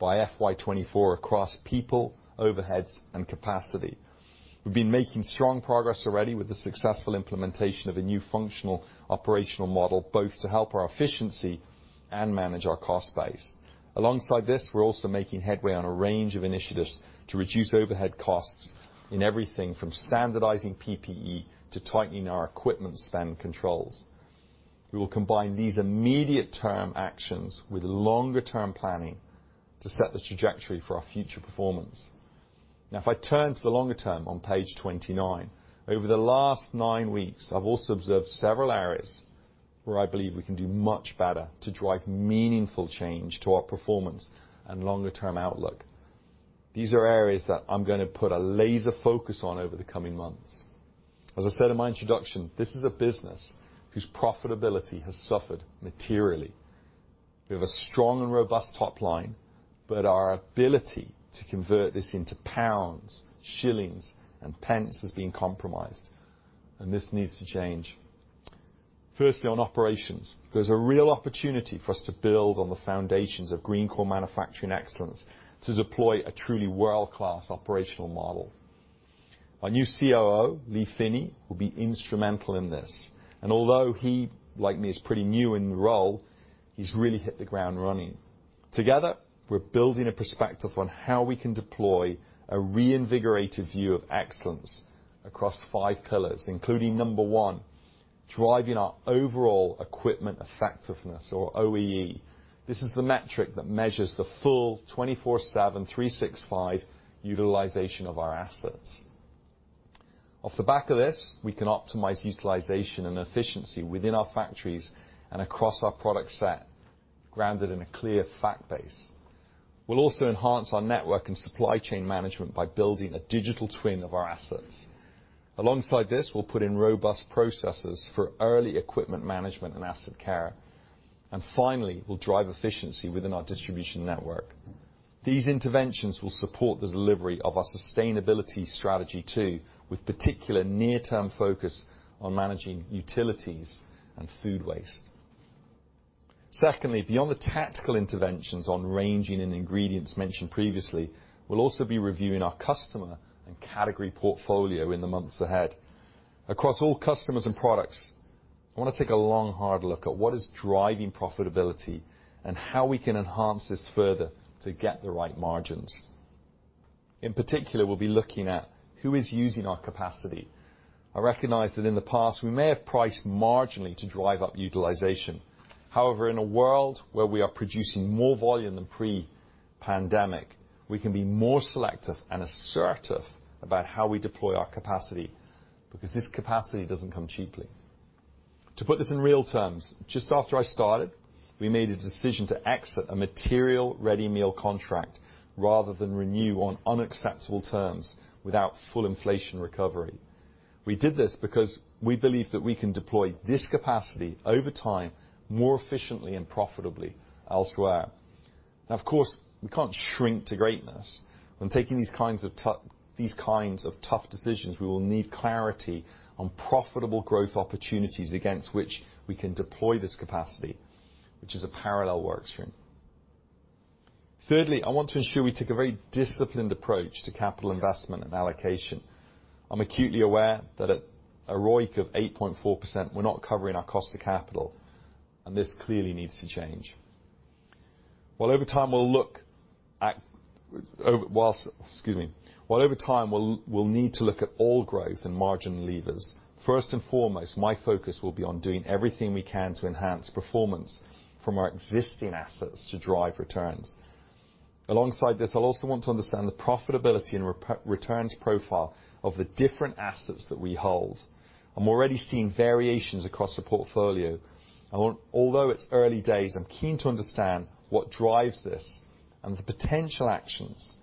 by FY 2024 across people, overheads, and capacity. We've been making strong progress already with the successful implementation of a new functional operational model, both to help our efficiency and manage our cost base. Alongside this, we're also making headway on a range of initiatives to reduce overhead costs in everything from standardizing PPE to tightening our equipment spend controls. We will combine these immediate term actions with longer term planning to set the trajectory for our future performance. If I turn to the longer term on page 29, over the last nine weeks, I've also observed several areas where I believe we can do much better to drive meaningful change to our performance and longer term outlook. These are areas that I'm gonna put a laser focus on over the coming months. As I said in my introduction, this is a business whose profitability has suffered materially. We have a strong and robust top line, but our ability to convert this into pounds, shillings, and pence has been compromised, and this needs to change. Firstly, on operations, there's a real opportunity for us to build on the foundations of Greencore Manufacturing Excellence to deploy a truly world-class operational model. Our new COO, Lee Finney, will be instrumental in this, and although he, like me, is pretty new in the role, he's really hit the ground running. Together, we're building a perspective on how we can deploy a reinvigorated view of excellence across five pillars, including, number 1, driving our Overall Equipment Effectiveness or OEE. This is the metric that measures the full 24/7, 365 utilization of our assets. Off the back of this, we can optimize utilization and efficiency within our factories and across our product set, grounded in a clear fact base. We'll also enhance our network and supply chain management by building a digital twin of our assets. Alongside this, we'll put in robust processes for early equipment management and asset care. Finally, we'll drive efficiency within our distribution network. These interventions will support the delivery of our sustainability strategy too, with particular near-term focus on managing utilities and food waste. Beyond the tactical interventions on ranging and ingredients mentioned previously, we'll also be reviewing our customer and category portfolio in the months ahead. Across all customers and products, I wanna take a long, hard look at what is driving profitability and how we can enhance this further to get the right margins. In particular, we'll be looking at who is using our capacity. I recognize that in the past, we may have priced marginally to drive up utilization. In a world where we are producing more volume than pre-pandemic, we can be more selective and assertive about how we deploy our capacity because this capacity doesn't come cheaply. To put this in real terms, just after I started, we made a decision to exit a material ready meal contract rather than renew on unacceptable terms without full inflation recovery. We did this because we believe that we can deploy this capacity over time, more efficiently and profitably elsewhere. Of course, we can't shrink to greatness. When taking these kinds of tough decisions, we will need clarity on profitable growth opportunities against which we can deploy this capacity, which is a parallel work stream. Thirdly, I want to ensure we take a very disciplined approach to capital investment and allocation. I'm acutely aware that at a ROIC of 8.4%, we're not covering our cost of capital, and this clearly needs to change. While over time we'll need to look at all growth and margin levers, first and foremost, my focus will be on doing everything we can to enhance performance from our existing assets to drive returns. Alongside this, I'll also want to understand the profitability and returns profile of the different assets that we hold. I'm already seeing variations across the portfolio. Although it's early days, I'm keen to understand what drives this and the potential actions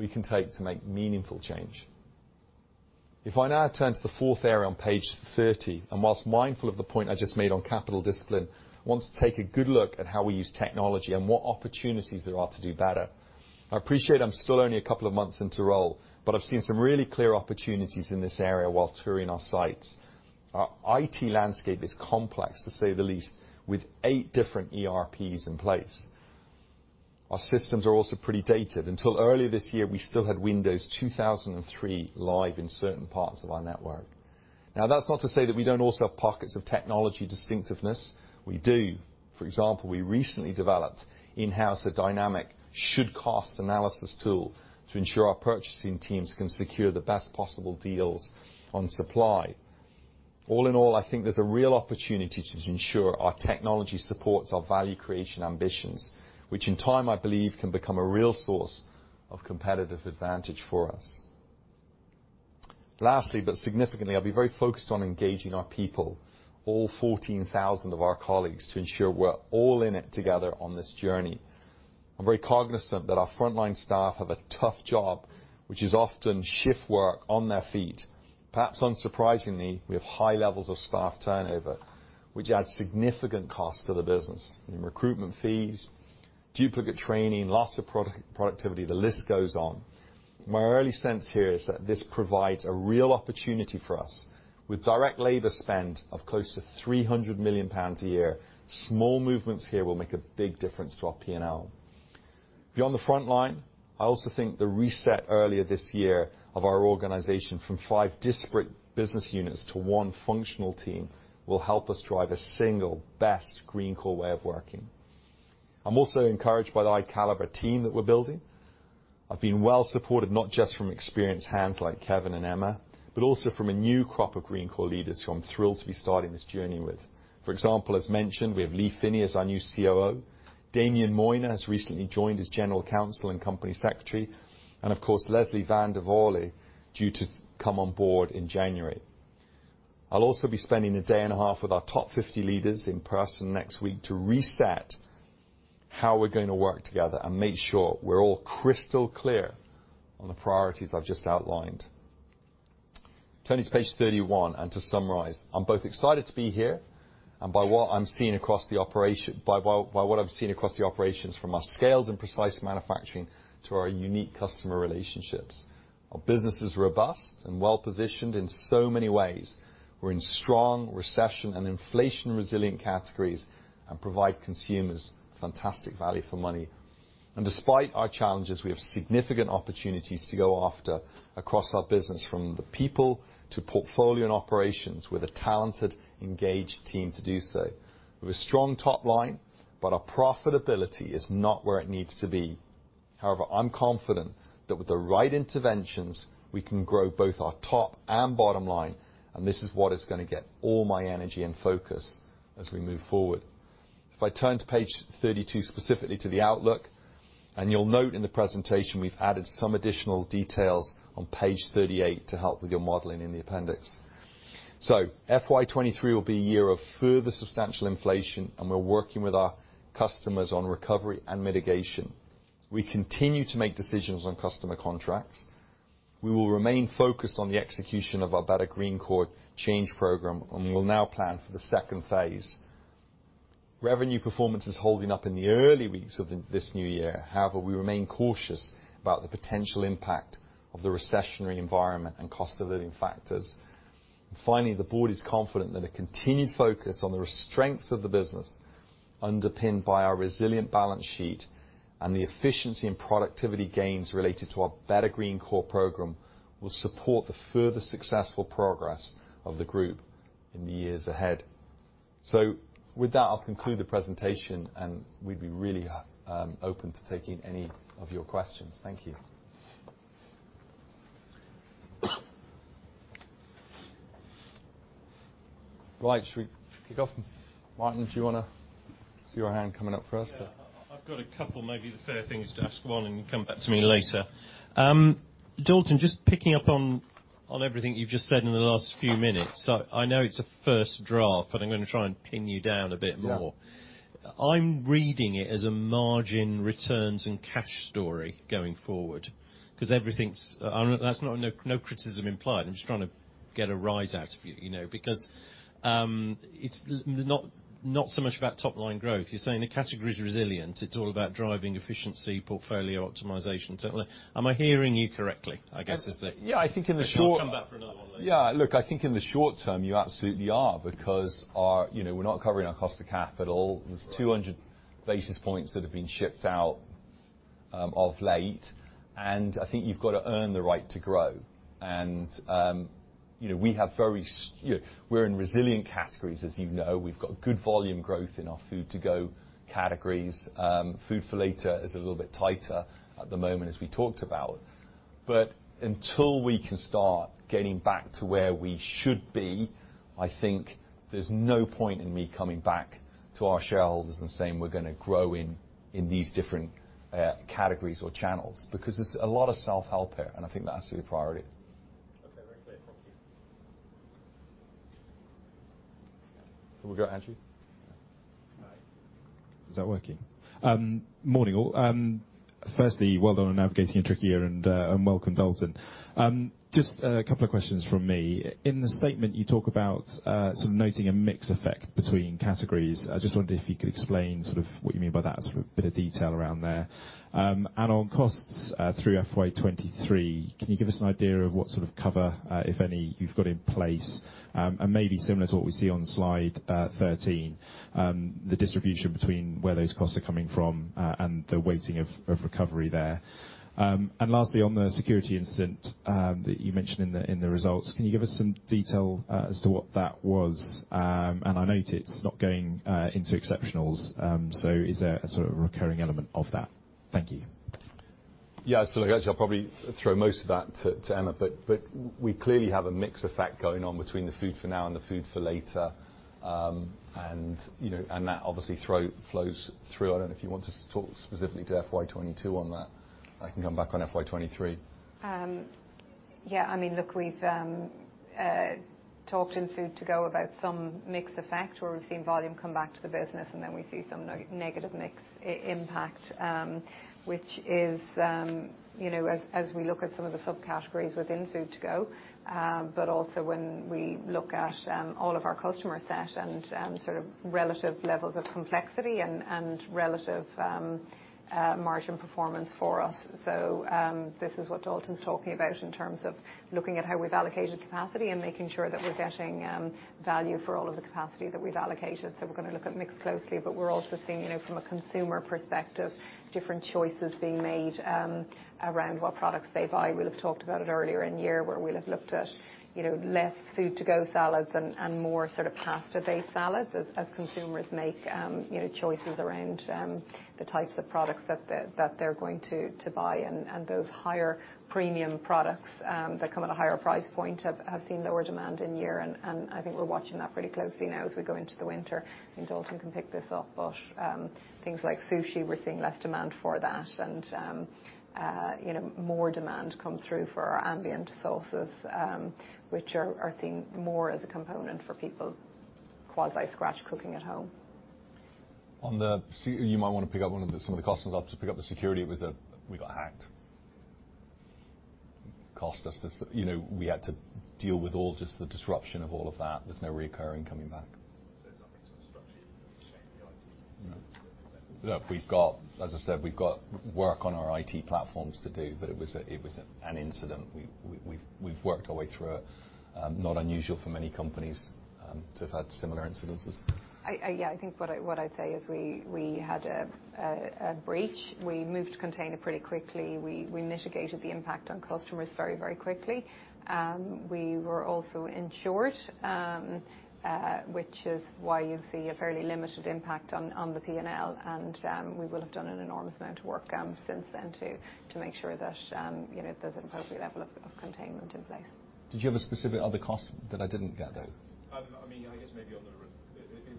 we can take to make meaningful change. If I now turn to the fourth area on page 30, whilst mindful of the point I just made on capital discipline, want to take a good look at how we use technology and what opportunities there are to do better. I appreciate I'm still only a couple of months into role, but I've seen some really clear opportunities in this area while touring our sites. Our IT landscape is complex, to say the least, with eight different ERPs in place. Our systems are also pretty dated. Until earlier this year, we still had Windows 2003 live in certain parts of our network. That's not to say that we don't also have pockets of technology distinctiveness. We do. For example, we recently developed in-house a dynamic should-cost analysis tool to ensure our purchasing teams can secure the best possible deals on supply. All in all, I think there's a real opportunity to ensure our technology supports our value creation ambitions, which in time I believe can become a real source of competitive advantage for us. Lastly, significantly, I'll be very focused on engaging our people, all 14,000 of our colleagues, to ensure we're all in it together on this journey. I'm very cognizant that our frontline staff have a tough job, which is often shift work on their feet. Perhaps unsurprisingly, we have high levels of staff turnover, which adds significant cost to the business in recruitment fees, duplicate training, loss of product-productivity. The list goes on. My early sense here is that this provides a real opportunity for us. With direct labor spend of close to 300 million pounds a year, small movements here will make a big difference to our P&L. Beyond the front line, I also think the reset earlier this year of our organization from five disparate business units to one functional team will help us drive a single best Greencore way of working. I'm also encouraged by the high caliber team that we're building. I've been well supported, not just from experienced hands like Kevin and Emma, but also from a new crop of Greencore leaders who I'm thrilled to be starting this journey with. For example, as mentioned, we have Lee Finney as our new COO. Damien Moynagh has recently joined as general counsel and company secretary. Of course, Leslie Van de Walle, due to come on board in January. I'll also be spending a day and a half with our top 50 leaders in person next week to reset how we're gonna work together and make sure we're all crystal clear on the priorities I've just outlined. Turning to page 31, to summarize, I'm both excited to be here and by what I've seen across the operations from our scaled and precise manufacturing to our unique customer relationships. Our business is robust and well-positioned in so many ways. We're in strong recession and inflation-resilient categories and provide consumers fantastic value for money. Despite our challenges, we have significant opportunities to go after across our business, from the people to portfolio and operations with a talented, engaged team to do so. We have a strong top line, but our profitability is not where it needs to be. However, I'm confident that with the right interventions, we can grow both our top and bottom line, and this is what is gonna get all my energy and focus as we move forward. If I turn to page 32, specifically to the outlook, and you'll note in the presentation, we've added some additional details on page 38 to help with your modeling in the appendix. FY 23 will be a year of further substantial inflation, and we're working with our customers on recovery and mitigation. We continue to make decisions on customer contracts. We will remain focused on the execution of our Better Greencore change program. We will now plan for the second phase. Revenue performance is holding up in the early weeks of this new year. However, we remain cautious about the potential impact of the recessionary environment and cost of living factors. Finally, the board is confident that a continued focus on the strengths of the business, underpinned by our resilient balance sheet and the efficiency and productivity gains related to our Better Greencore program, will support the further successful progress of the group in the years ahead. With that, I'll conclude the presentation, and we'd be really open to taking any of your questions. Thank you. Right. Should we kick off? Martin, I see your hand coming up first. Yeah. I've got a couple, maybe the fair thing is to ask one and you come back to me later. Dalton, just picking up on everything you've just said in the last few minutes. I know it's a first draft, but I'm gonna try and pin you down a bit more. Yeah. I'm reading it as a margin returns and cash story going forward because everything's... That's not, no criticism implied. I'm just trying to get a rise out of you know. It's not so much about top line growth. You're saying the category is resilient. It's all about driving efficiency, portfolio optimization. Am I hearing you correctly, I guess, is the- Yeah, I think in the short- I can come back for another one later. Yeah. Look, I think in the short term, you absolutely are because our, you know, we're not covering our cost of capital. Right. There's 200 basis points that have been shipped out of late, and I think you've got to earn the right to grow. You know, we have You know, we're in resilient categories, as you know. We've got good volume growth in our food to go categories. Food for later is a little bit tighter at the moment, as we talked about. Until we can start getting back to where we should be, I think there's no point in me coming back to our shareholders and saying we're gonna grow in these different categories or channels, because there's a lot of self-help here, and I think that's the priority. Okay. Very clear. Thank you. We go Andrew? Is that working? Morning, all. Firstly, well done on navigating a tricky year and welcome, Dalton. Just a couple of questions from me. In the statement, you talk about noting a mix effect between categories. I just wondered if you could explain what you mean by that, a bit of detail around there. On costs through FY 23, can you give us an idea of what sort of cover, if any, you've got in place? And maybe similar to what we see on slide 13, the distribution between where those costs are coming from and the weighting of recovery there. Lastly, on the security incident that you mentioned in the results, can you give us some detail as to what that was? I note it's not going into exceptionals. Is there a sort of recurring element of that? Thank you. Yeah. Look, actually, I'll probably throw most of that to Emma. We clearly have a mix effect going on between the food for now and the food for later. You know, that obviously flows through. I don't know if you want to talk specifically to FY 2022 on that. I can come back on FY 2023. Yeah, I mean, look, we've talked in food to go about some mix effect where we've seen volume come back to the business and then we see some negative mix impact, which is, you know, as we look at some of the subcategories within food to go, but also when we look at all of our customer set and sort of relative levels of complexity and relative margin performance for us. This is what Dalton's talking about in terms of looking at how we've allocated capacity and making sure that we're getting value for all of the capacity that we've allocated. We're gonna look at mix closely, but we're also seeing, you know, from a consumer perspective, different choices being made around what products they buy. We'll have talked about it earlier in year where we'll have looked at, you know, less food to go salads and more sort of pasta-based salads as consumers make, you know, choices around the types of products that they're going to buy. Those higher premium products that come at a higher price point have seen lower demand in year. I think we're watching that pretty closely now as we go into the winter. I think Dalton can pick this up, but things like sushi, we're seeing less demand for that. You know, more demand come through for our ambient sources, which are seen more as a component for people quasi-scratch cooking at home. You might wanna pick up one of the, some of the costs and obviously pick up the security. It was, we got hacked. Cost us to you know, we had to deal with all just the disruption of all of that. There's no recurring coming back. It's something sort of structurally that you've changed in your IT system then? Yeah, As I said, we've got work on our IT platforms to do, but it was an incident. We've worked our way through it. Not unusual for many companies to have had similar incidences. Yeah, I think what I'd say is we had a breach. We moved to contain it pretty quickly. We mitigated the impact on customers very, very quickly. We were also insured, which is why you'd see a fairly limited impact on the P&L. We will have done an enormous amount of work since then to make sure that, you know, there's an appropriate level of containment in place. Did you have a specific other cost that I didn't get though? I mean, I guess maybe on the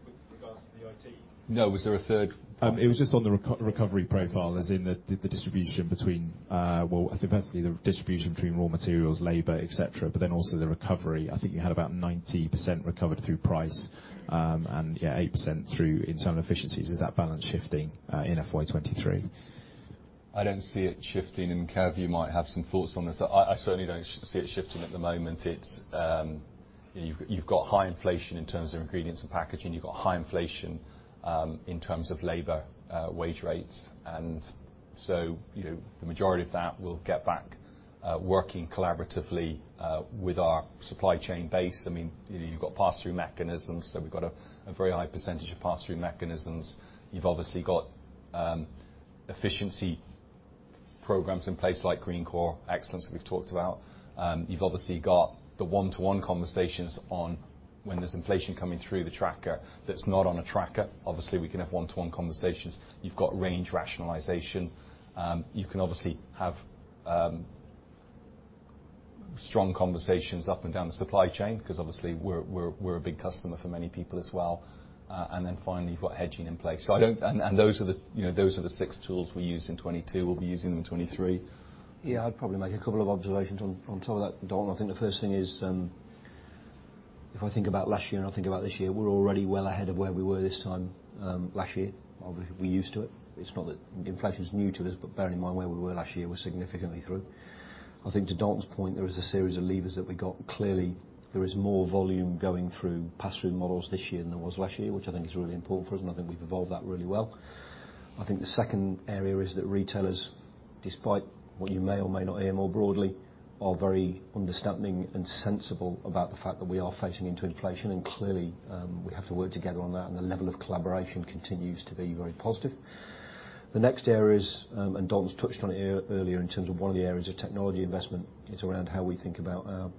with regards to the IT. No. Was there a third party? It was just on the recovery profile as in the distribution between, I think personally, the distribution between raw materials, labor, et cetera, but then also the recovery. I think you had about 90% recovered through price, and yeah, 8% through internal efficiencies. Is that balance shifting in FY23? I don't see it shifting. Kev, you might have some thoughts on this. I certainly don't see it shifting at the moment. It's, you've got high inflation in terms of ingredients and packaging. You've got high inflation in terms of labor wage rates, you know, the majority of that we'll get back working collaboratively with our supply chain base. I mean, you know, you've got pass-through mechanisms, so we've got a very high percentage of pass-through mechanisms. You've obviously got efficiency programs in place like Greencore Excellence that we've talked about. You've obviously got the one-to-one conversations on when there's inflation coming through the tracker that's not on a tracker. Obviously, we can have one-to-one conversations. You've got range rationalization. You can obviously have strong conversations up and down the supply chain 'cause obviously we're a big customer for many people as well. Finally, you've got hedging in place. Those are the, you know, those are the six tools we used in 2022. We'll be using them in 2023. Yeah. I'd probably make a couple of observations on top of that, Don. I think the first thing is, if I think about last year and I think about this year, we're already well ahead of where we were this time, last year. Obviously, we're used to it. It's not that inflation's new to us, but bearing in mind where we were last year, we're significantly through. I think to Don's point, there is a series of levers that we got. Clearly, there is more volume going through pass-through models this year than there was last year, which I think is really important for us, and I think we've evolved that really well. I think the second area is that retailers, despite what you may or may not hear more broadly, are very understanding and sensible about the fact that we are facing into inflation, and clearly, we have to work together on that, and the level of collaboration continues to be very positive. The next area is, and Don's touched on it earlier in terms of one of the areas of technology investment is around how we think about our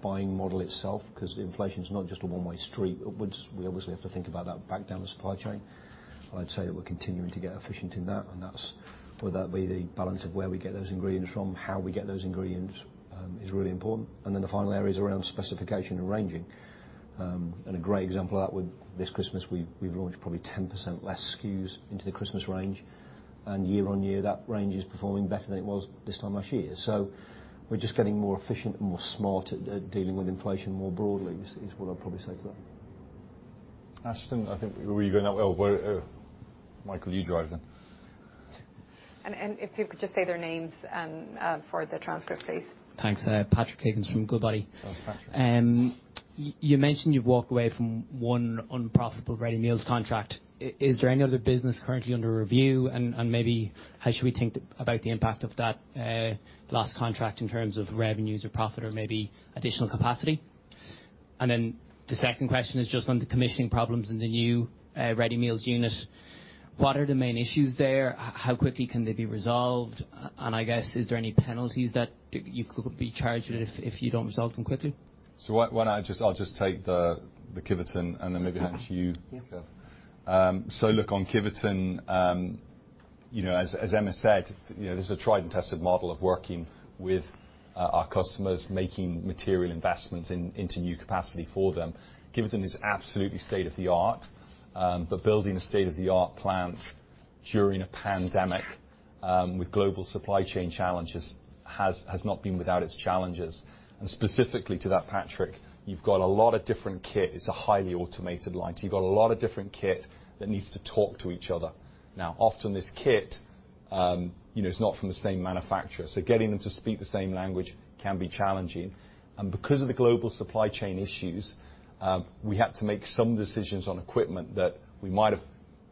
buying model itself, 'cause inflation's not just a one-way street upwards. We obviously have to think about that back down the supply chain. I'd say that we're continuing to get efficient in that, and that's whether that be the balance of where we get those ingredients from. How we get those ingredients, is really important. The final area is around specification and ranging. A great example of that with this Christmas, we've launched probably 10% less SKUs into the Christmas range, and year-on-year, that range is performing better than it was this time last year. We're just getting more efficient and more smart at dealing with inflation more broadly is what I'll probably say to that. Ashton, I think were you going? Oh, well, Michael, you drive then. If people could just say their names for the transcript, please. Thanks. Patrick Higgins from Goodbody. Oh, Patrick. You mentioned you've walked away from one unprofitable ready meals contract. Is there any other business currently under review? And maybe how should we think about the impact of that lost contract in terms of revenues or profit or maybe additional capacity? Then the second question is just on the commissioning problems in the new ready meals unit. What are the main issues there? How quickly can they be resolved? I guess, is there any penalties that you could be charged with if you don't resolve them quickly? I'll just take the Kiveton and then maybe hand to you, Kev. Yeah. Look, on Kiveton, you know, as Emma said, you know, this is a tried and tested model of working with our customers, making material investments in, into new capacity for them. Kiveton is absolutely state-of-the-art, but building a state-of-the-art plant during a pandemic, with global supply chain challenges has not been without its challenges. Specifically to that, Patrick, you've got a lot of different kit. It's a highly automated line, so you've got a lot of different kit that needs to talk to each other. Now, often this kit, you know, is not from the same manufacturer, so getting them to speak the same language can be challenging. Because of the global supply chain issues, we had to make some decisions on equipment that we might have,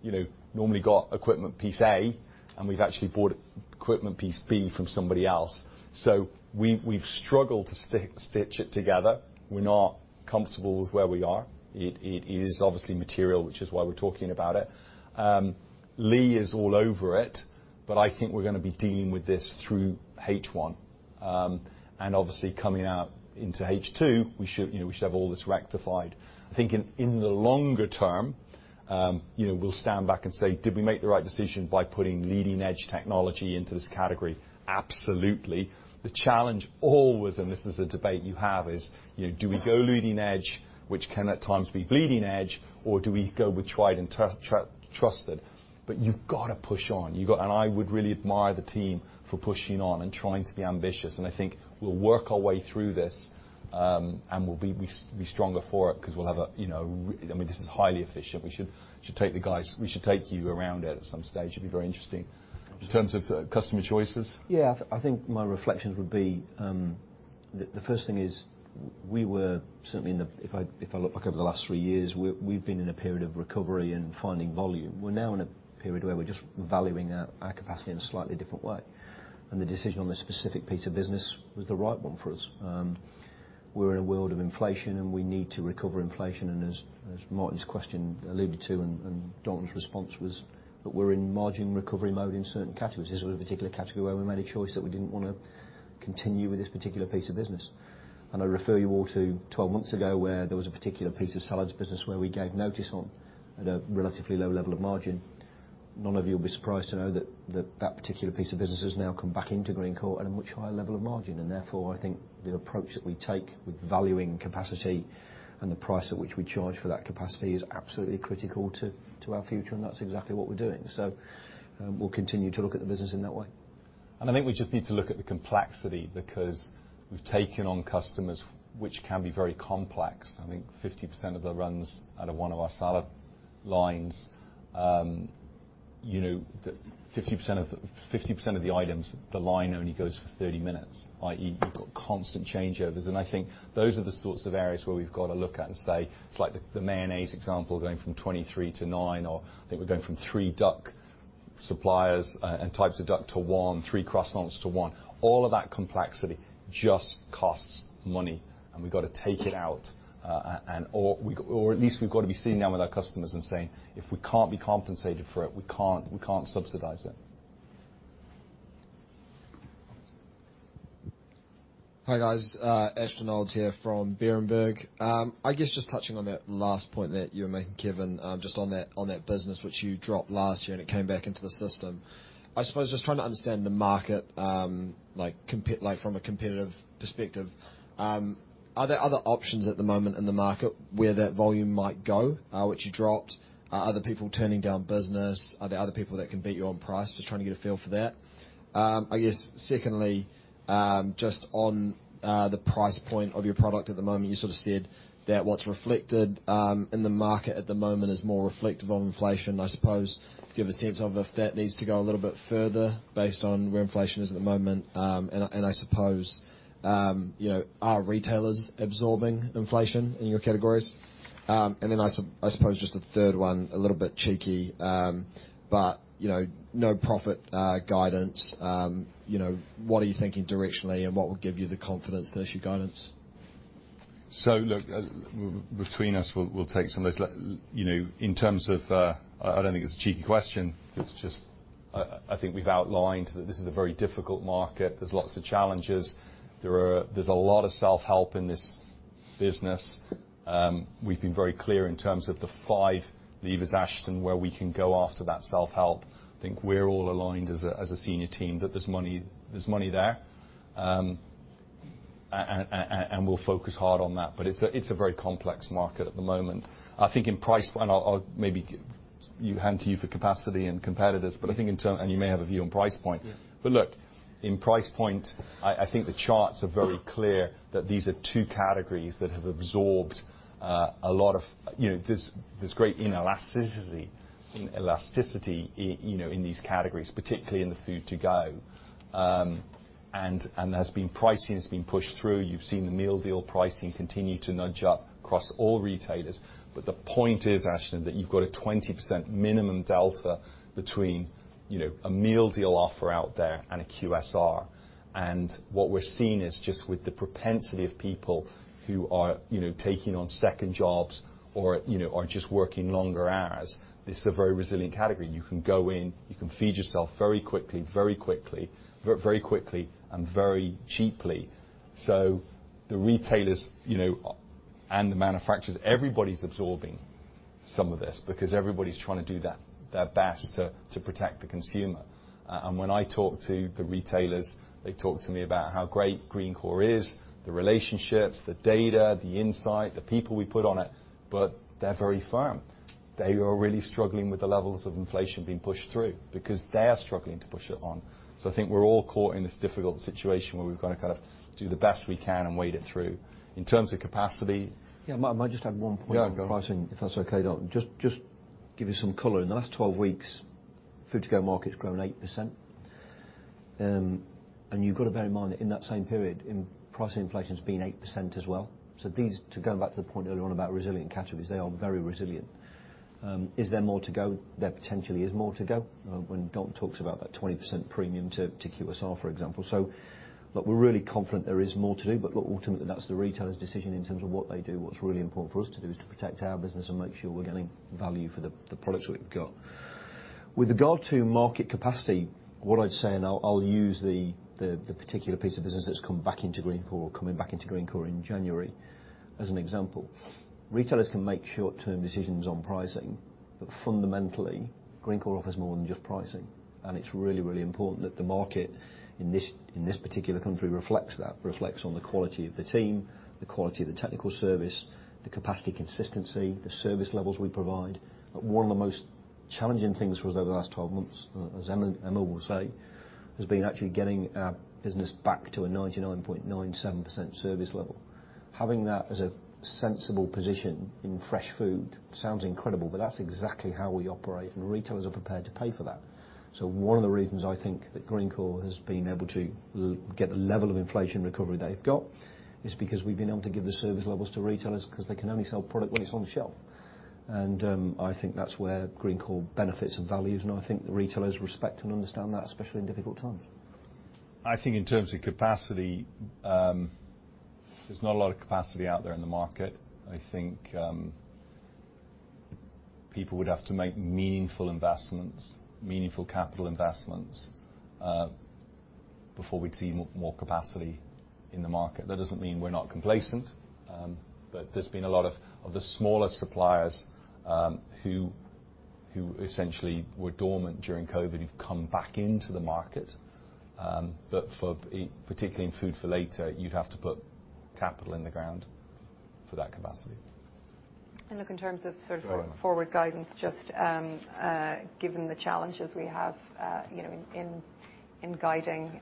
you know, normally got equipment piece A, and we've actually bought equipment piece B from somebody else. We've struggled to stitch it together. We're not comfortable with where we are. It is obviously material, which is why we're talking about it. Lee is all over it, but I think we're gonna be dealing with this through H1. Obviously coming out into H2, we should, you know, we should have all this rectified. I think in the longer term, you know, we'll stand back and say, "Did we make the right decision by putting leading edge technology into this category?" Absolutely. The challenge always, and this is a debate you have, is, you know, do we go leading edge, which can at times be bleeding edge, or do we go with tried and trusted? You've gotta push on. I would really admire the team for pushing on and trying to be ambitious, and I think we'll work our way through this, and we'll be stronger for it 'cause we'll have a, you know, I mean, this is highly efficient. We should take you around it at some stage. It'd be very interesting. In terms of customer choices? I think my reflections would be the first thing is We were certainly in the, if I look back over the last three years, we've been in a period of recovery and finding volume. We're now in a period where we're just valuing our capacity in a slightly different way. The decision on this specific piece of business was the right one for us. We're in a world of inflation, and we need to recover inflation. As Martin's question alluded to and Dalton's response was that we're in margin recovery mode in certain categories. This was a particular category where we didn't wanna continue with this particular piece of business. I refer you all to 12 months ago where there was a particular piece of salads business where we gave notice on at a relatively low level of margin. None of you will be surprised to know that particular piece of business has now come back into Greencore at a much higher level of margin. Therefore, I think the approach that we take with valuing capacity and the price at which we charge for that capacity is absolutely critical to our future, and that's exactly what we're doing. We'll continue to look at the business in that way. I think we just need to look at the complexity because we've taken on customers which can be very complex. I think 50% of the runs out of one of our salad lines, you know, 50% of the items, the line only goes for 30 minutes, i.e., you've got constant changeovers. I think those are the sorts of areas where we've got to look at and say, it's like the mayonnaise example going from 23 to 9, or I think we're going from 3 duck suppliers and types of duck to 1, 3 croissants to 1. All of that complexity just costs money, and we've got to take it out. Or at least we've got to be sitting down with our customers and saying, "If we can't be compensated for it, we can't, we can't subsidize it. Hi, guys, Ashton Olds here from Berenberg. I guess just touching on that last point that you were making, Kevin, just on that, on that business which you dropped last year, and it came back into the system. I suppose just trying to understand the market, like from a competitive perspective, are there other options at the moment in the market where that volume might go, which you dropped? Are other people turning down business? Are there other people that can beat you on price? Just trying to get a feel for that. I guess, secondly, just on the price point of your product. At the moment, you sort of said that what's reflected in the market at the moment is more reflective of inflation. I suppose, do you have a sense of if that needs to go a little bit further based on where inflation is at the moment? I suppose, you know, are retailers absorbing inflation in your categories? I suppose just the third one, a little bit cheeky, you know, no profit guidance, you know, what are you thinking directionally, and what would give you the confidence to issue guidance? Look, between us, we'll take some of those. You know, in terms of. I don't think it's a cheeky question. It's just. I think we've outlined that this is a very difficult market. There's lots of challenges. There's a lot of self-help in this business. We've been very clear in terms of the five levers, Ashton, where we can go after that self-help. I think we're all aligned as a senior team that there's money, there's money there. And we'll focus hard on that. It's a very complex market at the moment. I think in price point, I'll maybe give you hand to you for capacity and competitors, but I think in term. And you may have a view on price point. Yeah. Look, in price point, I think the charts are very clear that these are two categories that have absorbed a lot of... You know, there's great inelasticity, elasticity, you know, in these categories, particularly in the food to go. And there's been pricing that's been pushed through. You've seen the meal deal pricing continue to nudge up across all retailers. The point is, Ashton, that you've got a 20% minimum delta between, you know, a meal deal offer out there and a QSR. What we're seeing is just with the propensity of people who are, you know, taking on second jobs or, you know, are just working longer hours, this is a very resilient category. You can go in, you can feed yourself very quickly and very cheaply. The retailers, you know, and the manufacturers, everybody's absorbing some of this because everybody's trying to do their best to protect the consumer. When I talk to the retailers, they talk to me about how great Greencore is, the relationships, the data, the insight, the people we put on it, but they're very firm. They are really struggling with the levels of inflation being pushed through because they are struggling to push it on. I think we're all caught in this difficult situation where we've got to kind of do the best we can and wade it through. In terms of capacity. Yeah. Martin, might just add one point on pricing, if that's okay, Dalton. Just give you some color. In the last 12 weeks, food to go market's grown 8%. You've got to bear in mind that in that same period, price inflation's been 8% as well. These, going back to the point earlier on about resilient categories, they are very resilient. Is there more to go? There potentially is more to go when Dalton talks about that 20% premium to QSR, for example. Look, we're really confident there is more to do, but look, ultimately, that's the retailer's decision in terms of what they do. What's really important for us to do is to protect our business and make sure we're getting value for the products we've got. With regard to market capacity, what I'd say, and I'll use the particular piece of business that's come back into Greencore or coming back into Greencore in January as an example. Retailers can make short-term decisions on pricing, but fundamentally, Greencore offers more than just pricing. It's really, really important that the market in this particular country reflects that, reflects on the quality of the team, the quality of the technical service, the capacity consistency, the service levels we provide. One of the most challenging things for us over the last 12 months, as Emma will say, has been actually getting our business back to a 99.97% service level. Having that as a sensible position in fresh food sounds incredible, but that's exactly how we operate, and retailers are prepared to pay for that. One of the reasons I think that Greencore has been able to get the level of inflation recovery they've got is because we've been able to give the service levels to retailers 'cause they can only sell product when it's on the shelf. I think that's where Greencore benefits and values. I think the retailers respect and understand that, especially in difficult times. I think in terms of capacity, there's not a lot of capacity out there in the market. I think, people would have to make meaningful investments, meaningful capital investments, before we'd see more capacity in the market. That doesn't mean we're not complacent, but there's been a lot of the smaller suppliers, who essentially were dormant during COVID have come back into the market. For particularly in food for later, you'd have to put capital in the ground for that capacity. look in terms of. Go on. -forward guidance, just, given the challenges we have, you know, in guiding,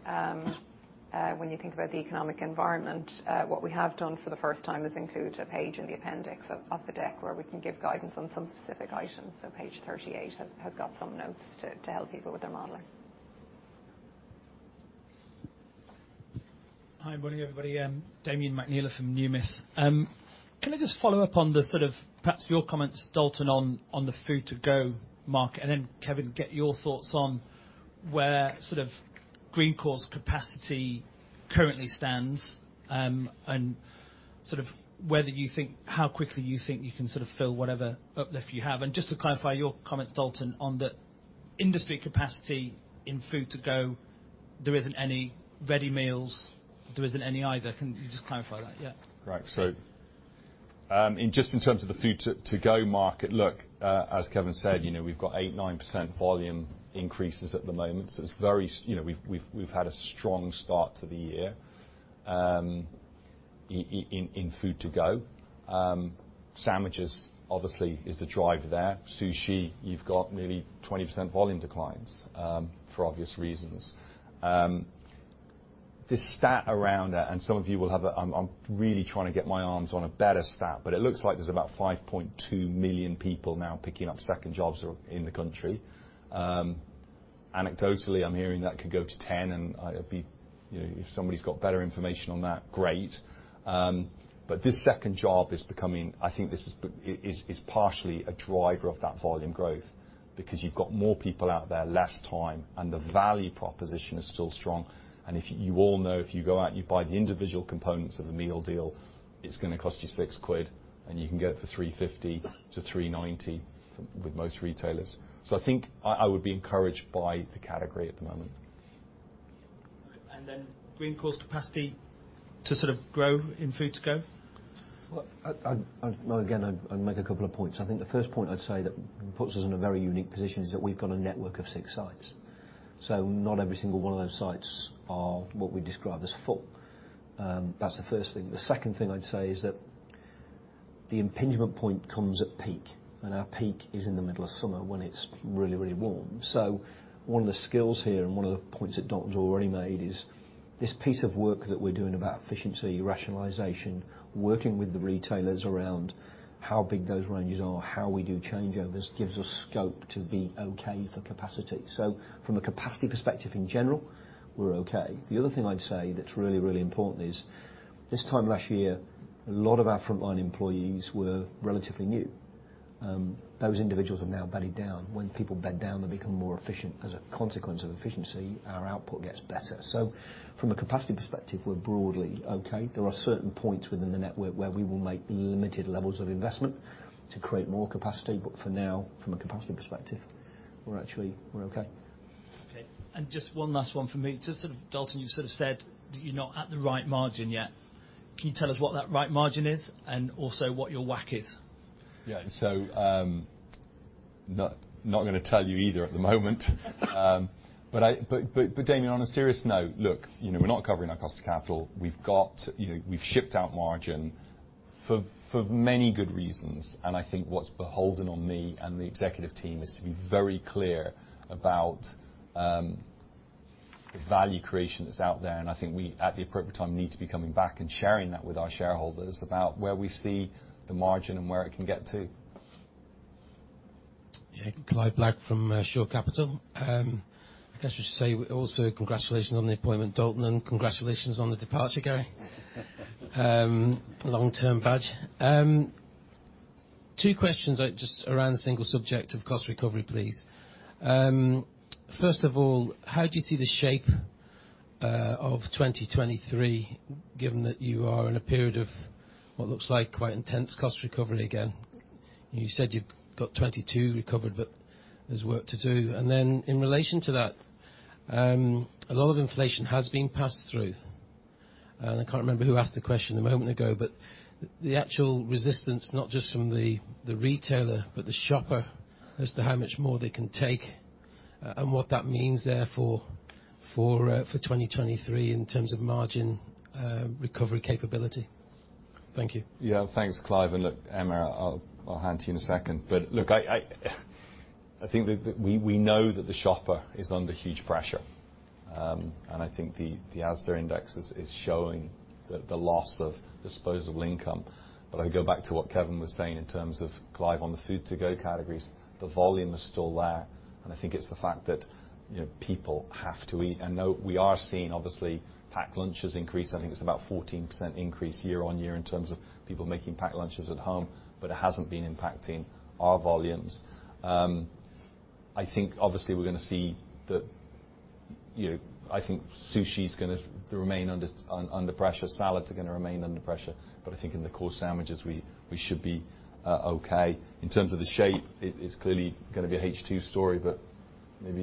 when you think about the economic environment, what we have done for the first time is include a page in the appendix of the deck where we can give guidance on some specific items. page 38 has got some notes to help people with their modeling. Hi, morning everybody. Damian McNeela from Numis. Can I just follow up on the sort of perhaps your comments, Dalton, on the food to go market? Kevin, get your thoughts on where sort of Greencore's capacity currently stands, and sort of whether you think, how quickly you think you can sort of fill whatever uplift you have. Just to clarify your comments, Dalton, on the industry capacity in food to go, there isn't any ready meals, there isn't any either. Can you just clarify that? Yeah. Right. In just in terms of the food to go market, look, as Kevin said, you know, we've got 8%, 9% volume increases at the moment, it's very, you know, we've had a strong start to the year in food to go. Sandwiches obviously is the driver there. Sushi, you've got nearly 20% volume declines for obvious reasons. The stat around it, and some of you will have, I'm really trying to get my arms on a better stat, but it looks like there's about 5.2 million people now picking up second jobs in the country. Anecdotally, I'm hearing that could go to 10, and it'd be, you know, if somebody's got better information on that, great. This second job is becoming, I think this is partially a driver of that volume growth because you've got more people out there, less time, and the value proposition is still strong. If you all know, if you go out and you buy the individual components of a meal deal, it's gonna cost you 6 quid, and you can get it for 3.50-3.90 with most retailers. I think I would be encouraged by the category at the moment. Greencore's capacity to sort of grow in food to go? Well, again, I'd make a couple of points. I think the first point I'd say that puts us in a very unique position is that we've got a network of six sites. Not every single one of those sites are what we describe as full. That's the first thing. The second thing I'd say is that the impingement point comes at peak, and our peak is in the middle of summer when it's really, really warm. One of the skills here, and one of the points that Dalton's already made is this piece of work that we're doing about efficiency, rationalization, working with the retailers around how big those ranges are, how we do changeovers, gives us scope to be okay for capacity. From a capacity perspective in general, we're okay. The other thing I'd say that's really, really important is this time last year, a lot of our frontline employees were relatively new. Those individuals have now bedded down. When people bed down, they become more efficient. As a consequence of efficiency, our output gets better. From a capacity perspective, we're broadly okay. There are certain points within the network where we will make limited levels of investment to create more capacity, but for now, from a capacity perspective, we're actually, we're okay. Okay. Just one last one from me. Just Dalton, you said that you're not at the right margin yet. Can you tell us what that right margin is and also what your WACC is? Yeah. not gonna tell you either at the moment. But Damian, on a serious note, look, you know, we're not covering our cost of capital. We've got, you know, we've shipped out margin for many good reasons, I think what's beholden on me and the executive team is to be very clear about the value creation that's out there. I think we, at the appropriate time, need to be coming back and sharing that with our shareholders about where we see the margin and where it can get to. Yeah. Clive Black from Shore Capital. I guess we should say also congratulations on the appointment, Dalton, and congratulations on the departure, Gary. Long-term badge. Two questions, just around the single subject of cost recovery, please. First of all, how do you see the shape of 2023, given that you are in a period of what looks like quite intense cost recovery again? You said you've got 22 recovered, but there's work to do. In relation to that, a lot of inflation has been passed through, and I can't remember who asked the question a moment ago, but the actual resistance, not just from the retailer, but the shopper as to how much more they can take, and what that means therefore for 2023 in terms of margin recovery capability. Thank you. Yeah. Thanks, Clive. Look, Emma, I'll hand to you in a second. Look, I think we know that the shopper is under huge pressure. I think the ASDA index is showing the loss of disposable income. I go back to what Kevin was saying in terms of Clive on the food to go categories, the volume is still there. I think it's the fact that, you know, people have to eat. No, we are seeing obviously packed lunches increase. I think it's about 14% increase year-on-year in terms of people making packed lunches at home, but it hasn't been impacting our volumes. I think obviously we're going to see the, you know, I think sushi's going to remain under pressure. Salads are going to remain under pressure. I think in the core sandwiches, we should be okay. In terms of the shape, it is clearly gonna be a H2 story, maybe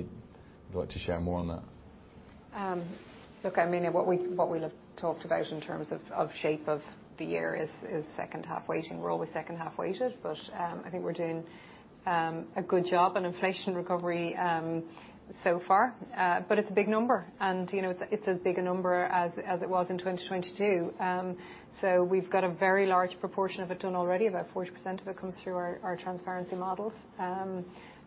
you'd like to share more on that. Look, I mean, what we talked about in terms of shape of the year is second half weighting. We're always second half weighted. I think we're doing a good job on inflation recovery so far. It's a big number. You know, it's a big a number as it was in 2022. We've got a very large proportion of it done already. About 40% of it comes through our transparency models.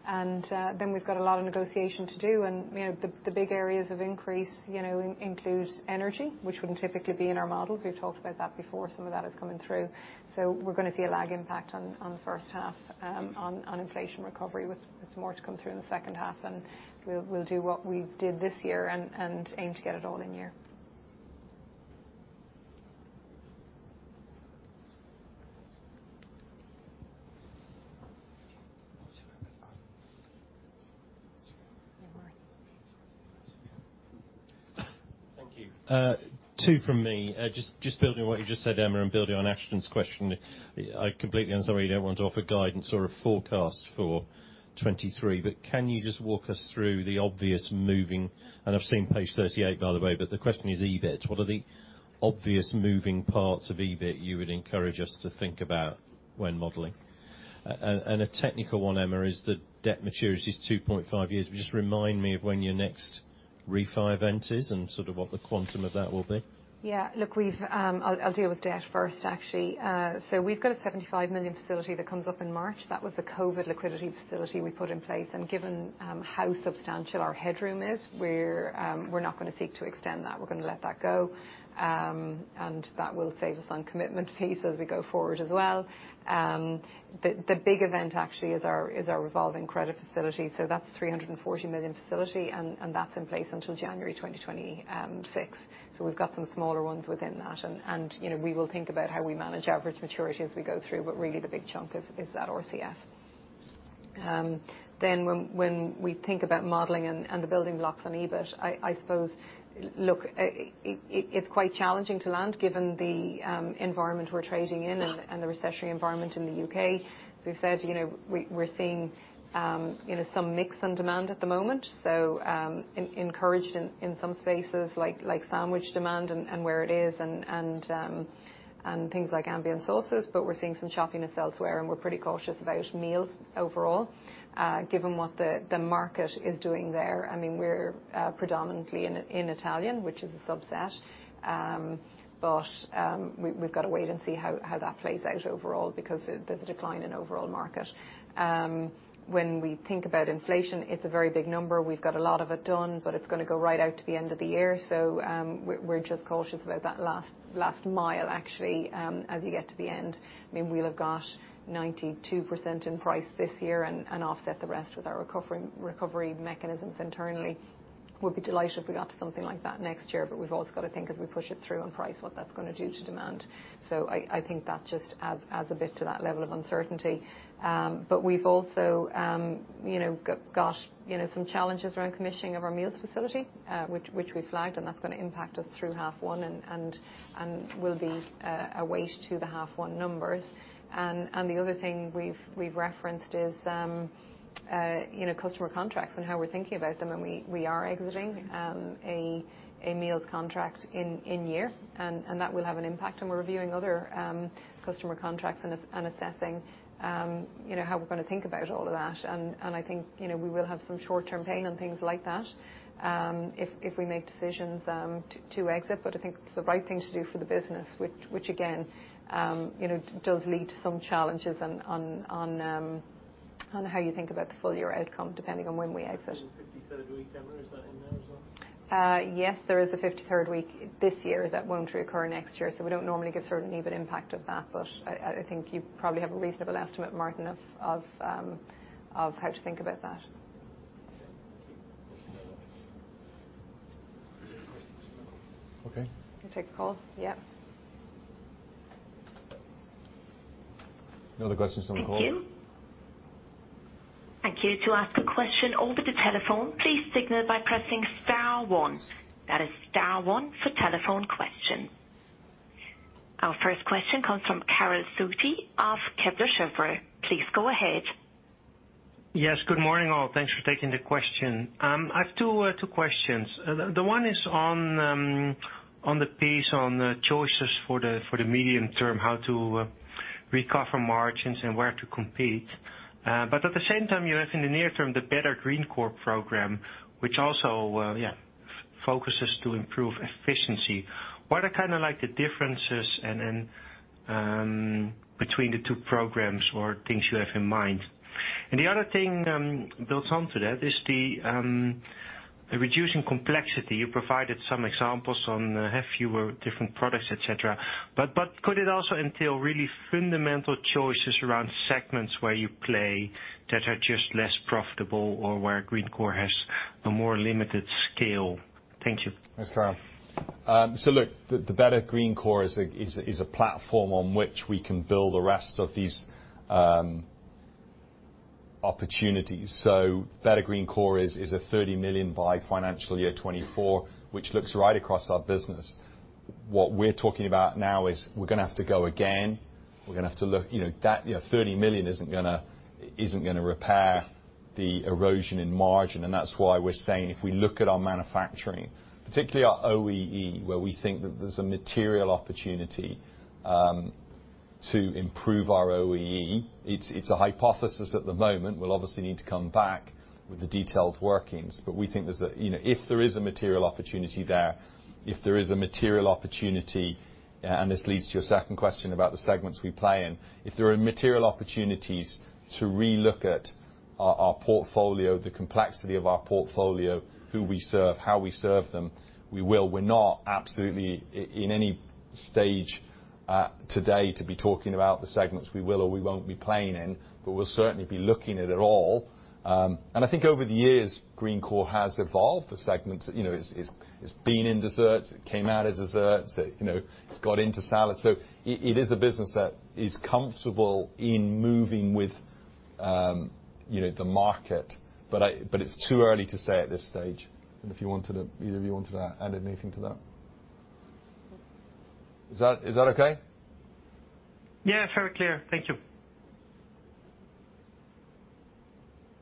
We've got a lot of negotiation to do. You know, the big areas of increase, you know, include energy, which wouldn't typically be in our models. We've talked about that before. Some of that is coming through. We're gonna see a lag impact on the first half, on inflation recovery with more to come through in the second half. We'll do what we did this year and aim to get it all in year. Thank you. Two from me. Building on what you just said, Emma, and building on Ashton's question. I completely understand you don't want to offer guidance or a forecast for 2023, but can you just walk us through the obvious moving... I've seen page 38, by the way, but the question is EBIT. What are the obvious moving parts of EBIT you would encourage us to think about when modeling? A technical one, Emma, is the debt maturity is 2.5 years. Just remind me of when your next refi event is and sort of what the quantum of that will be? Look, I'll deal with debt first, actually. We've got a 75 million facility that comes up in March. That was the COVID liquidity facility we put in place. Given how substantial our headroom is, we're not gonna seek to extend that. We're gonna let that go. That will save us on commitment fees as we go forward as well. The big event actually is our revolving credit facility. That's 340 million facility, and that's in place until January 2026. We've got some smaller ones within that. You know, we will think about how we manage average maturity as we go through, but really the big chunk is that RCF. When we think about modeling and the building blocks on EBIT, I suppose, look, it's quite challenging to land given the environment we're trading in and the recessionary environment in the U.K. As we've said, you know, we're seeing, you know, some mix on demand at the moment. Encouraged in some spaces like sandwich demand and where it is, and things like ambient sauces, but we're seeing some choppiness elsewhere, and we're pretty cautious about meals overall, given what the market is doing there. I mean, we're predominantly in Italian, which is a subset. We've got to wait and see how that plays out overall because there's a decline in overall market. When we think about inflation, it's a very big number. We've got a lot of it done, but it's gonna go right out to the end of the year. We're just cautious about that last mile, actually, as you get to the end. I mean, we'll have got 92% in price this year and offset the rest with our recovery mechanisms internally. We'll be delighted if we got to something like that next year, but we've also got to think as we push it through on price, what that's gonna do to demand. I think that just adds a bit to that level of uncertainty. We've also, you know, got, you know, some challenges around commissioning of our meals facility, which we flagged, and that's gonna impact us through half one and will be a weight to the half one numbers. The other thing we've referenced is, you know, customer contracts and how we're thinking about them. We are exiting, a meals contract in year, and that will have an impact, and we're reviewing other customer contracts and assessing, you know, how we're gonna think about all of that. I think, you know, we will have some short-term pain on things like that, if we make decisions to exit. I think it's the right thing to do for the business, which again, you know, does lead to some challenges on how you think about the full year outcome, depending on when we exit. There's a fifty-third week, Emma. Is that in there as well? Yes, there is a 53rd week this year. That won't reoccur next year. We don't normally give sort of an EBIT impact of that. I think you probably have a reasonable estimate, Martin, of how to think about that. Okay. We'll take a call. Yeah. No other questions on the call? Thank you. Thank you. To ask a question over the telephone, please signal by pressing star one. That is star one for telephone questions. Our first question comes from Karel Zoete of Kepler Cheuvreux. Please go ahead. Yes, good morning, all. Thanks for taking the question. I have two questions. The one is on the pace, on the choices for the medium term, how to recover margins and where to compete. At the same time, you have in the near term the Better Greencore program, which also focuses to improve efficiency. What are kinda like the differences between the two programs or things you have in mind? The other thing built on to that is reducing complexity. You provided some examples on have fewer different products, et cetera. Could it also entail really fundamental choices around segments where you play that are just less profitable or where Greencore has a more limited scale? Thank you. Thanks, Karel. look, the Better Greencore is a platform on which we can build the rest of these opportunities. Better Greencore is a 30 million by financial year 2024, which looks right across our business. What we're talking about now is we're gonna have to go again, we're gonna have to look. You know, that, you know, 30 million isn't gonna, isn't gonna repair the erosion in margin, and that's why we're saying if we look at our manufacturing, particularly our OEE, where we think that there's a material opportunity to improve our OEE. It's a hypothesis at the moment. We'll obviously need to come back with the detailed workings, but we think there's a, you know, if there is a material opportunity there, if there is a material opportunity, and this leads to your second question about the segments we play in, if there are material opportunities to relook at our portfolio, the complexity of our portfolio, who we serve, how we serve them, we will. We're not absolutely in any stage today to be talking about the segments we will or we won't be playing in, but we'll certainly be looking at it all. I think over the years, Greencore has evolved. The segments, you know, it's been in desserts, it came out as desserts, you know, it's got into salads. It is a business that is comfortable in moving with, you know, the market. It's too early to say at this stage. If you wanted to, either of you wanted to add anything to that? Is that okay? Yeah. Very clear. Thank you.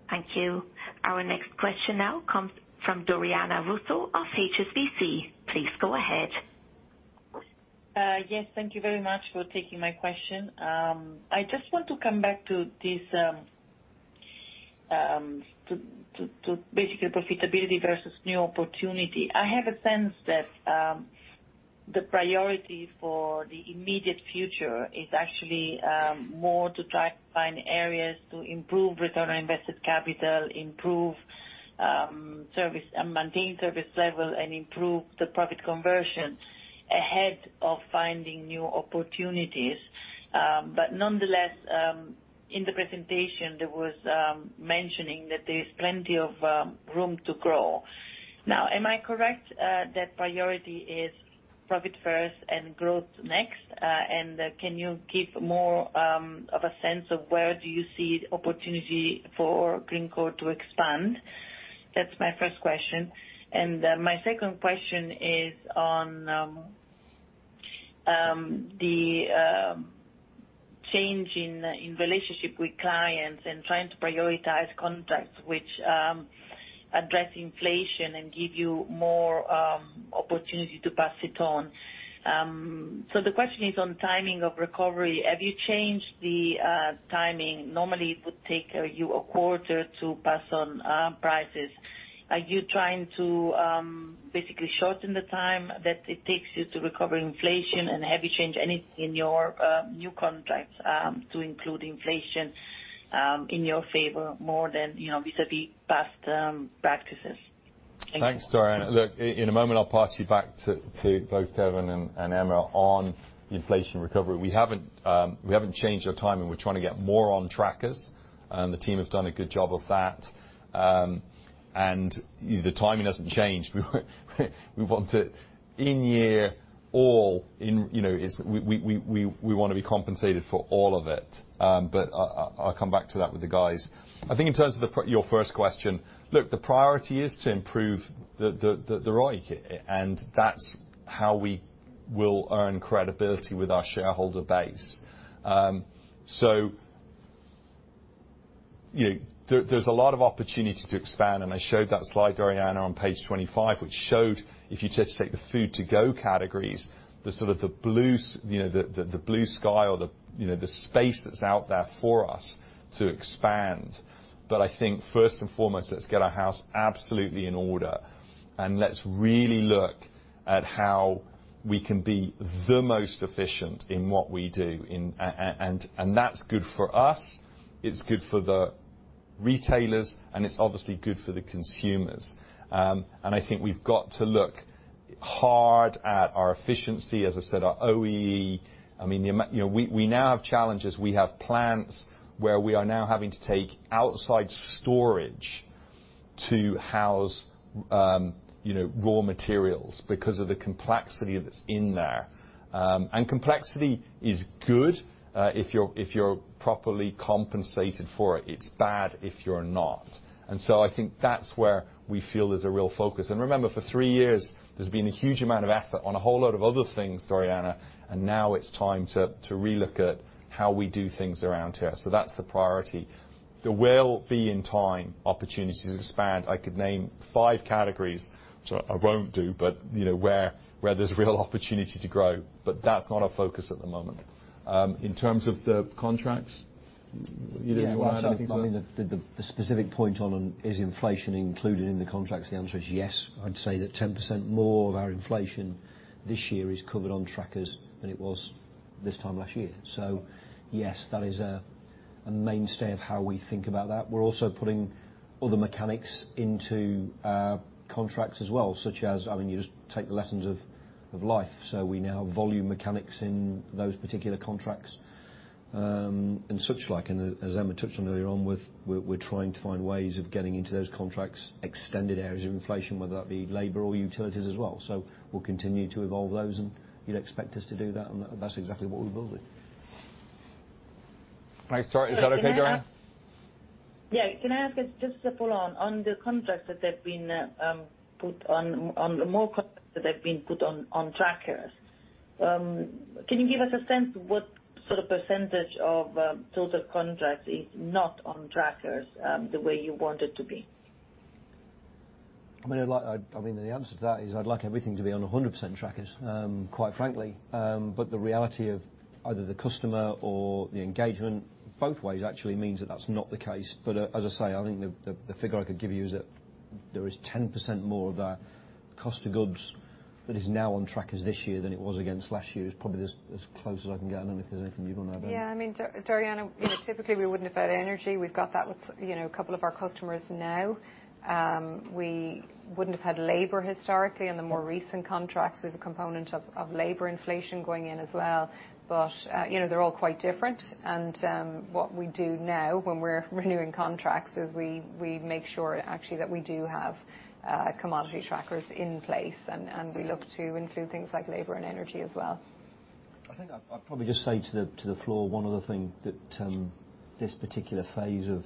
Thank you. Our next question now comes from Doriana Russo of HSBC. Please go ahead. Yes. Thank you very much for taking my question. I just want to come back to this basically profitability versus new opportunity. I have a sense that the priority for the immediate future is actually more to try to find areas to improve return on invested capital, improve service, and maintain service level, and improve the profit conversion ahead of finding new opportunities. Nonetheless, in the presentation, there was mentioning that there's plenty of room to grow. Am I correct that priority is profit first and growth next? Can you give more of a sense of where do you see opportunity for Greencore to expand? That's my first question. My second question is on the change in relationship with clients and trying to prioritize contracts which address inflation and give you more opportunity to pass it on. The question is on timing of recovery. Have you changed the timing? Normally, it would take you a quarter to pass on prices. Are you trying to basically shorten the time that it takes you to recover inflation? Have you changed anything in your new contracts to include inflation in your favor more than, you know, vis-à-vis past practices? Thank you. Thanks, Doriana. In a moment I'll pass you back to both Kevin and Emma on inflation recovery. We haven't changed our timing. We're trying to get more on trackers, the team have done a good job of that. The timing hasn't changed. We want to in year, all in, you know, is we wanna be compensated for all of it. I'll come back to that with the guys. I think in terms of your first question, the priority is to improve the ROIC, and that's how we will earn credibility with our shareholder base. You know, there's a lot of opportunity to expand, and I showed that slide, Doriana, on page 25, which showed if you just take the food to go categories, the sort of the blue sky or the, you know, the space that's out there for us to expand. I think first and foremost, let's get our house absolutely in order, and let's really look at how we can be the most efficient in what we do. And that's good for us, it's good for the retailers, and it's obviously good for the consumers. And I think we've got to look hard at our efficiency, as I said, our OEE. I mean, you know, we now have challenges. We have plants where we are now having to take outside storage to house, you know, raw materials because of the complexity that's in there. Complexity is good, if you're, if you're properly compensated for it. It's bad if you're not. I think that's where we feel there's a real focus. Remember, for three years, there's been a huge amount of effort on a whole lot of other things, Doriana, and now it's time to relook at how we do things around here. That's the priority. There will be in time opportunities to expand. I could name five categories, so I won't do, but, you know, where there's real opportunity to grow, but that's not our focus at the moment. In terms of the contracts, either of you wanna add anything to that? Yeah. Well, I think, I mean, the specific point on, is inflation included in the contracts? The answer is yes. I'd say that 10% more of our inflation this year is covered on trackers than it was this time last year. Yes, that is the mainstay of how we think about that. We're also putting all the mechanics into contracts as well, such as... I mean, you just take the lessons of life. We now volume mechanics in those particular contracts, and such like. As Emma touched on earlier on, we're trying to find ways of getting into those contracts, extended areas of inflation, whether that be labor or utilities as well. We'll continue to evolve those, and you'd expect us to do that, and that's exactly what we will do. Nice start. Is that okay, Doriana? Yeah. Can I ask just to follow on the more contracts that have been put on trackers. Can you give us a sense what sort of % of total contracts is not on trackers, the way you want it to be? I mean, like, I mean, the answer to that is I'd like everything to be on 100% trackers, quite frankly. The reality of either the customer or the engagement, both ways actually means that that's not the case. As I say, I think the figure I could give you is that there is 10% more of our cost of goods that is now on trackers this year than it was against last year. It's probably as close as I can get. I don't know if there's anything you want to add in. Yeah. I mean, Doriana, you know, typically we wouldn't have had energy. We've got that with, you know, a couple of our customers now. We wouldn't have had labor historically, and the more recent contracts with a component of labor inflation going in as well. You know, they're all quite different. What we do now when we're renewing contracts is we make sure actually that we do have commodity trackers in place, and we look to include things like labor and energy as well. I think I'd probably just say to the floor one other thing that this particular phase of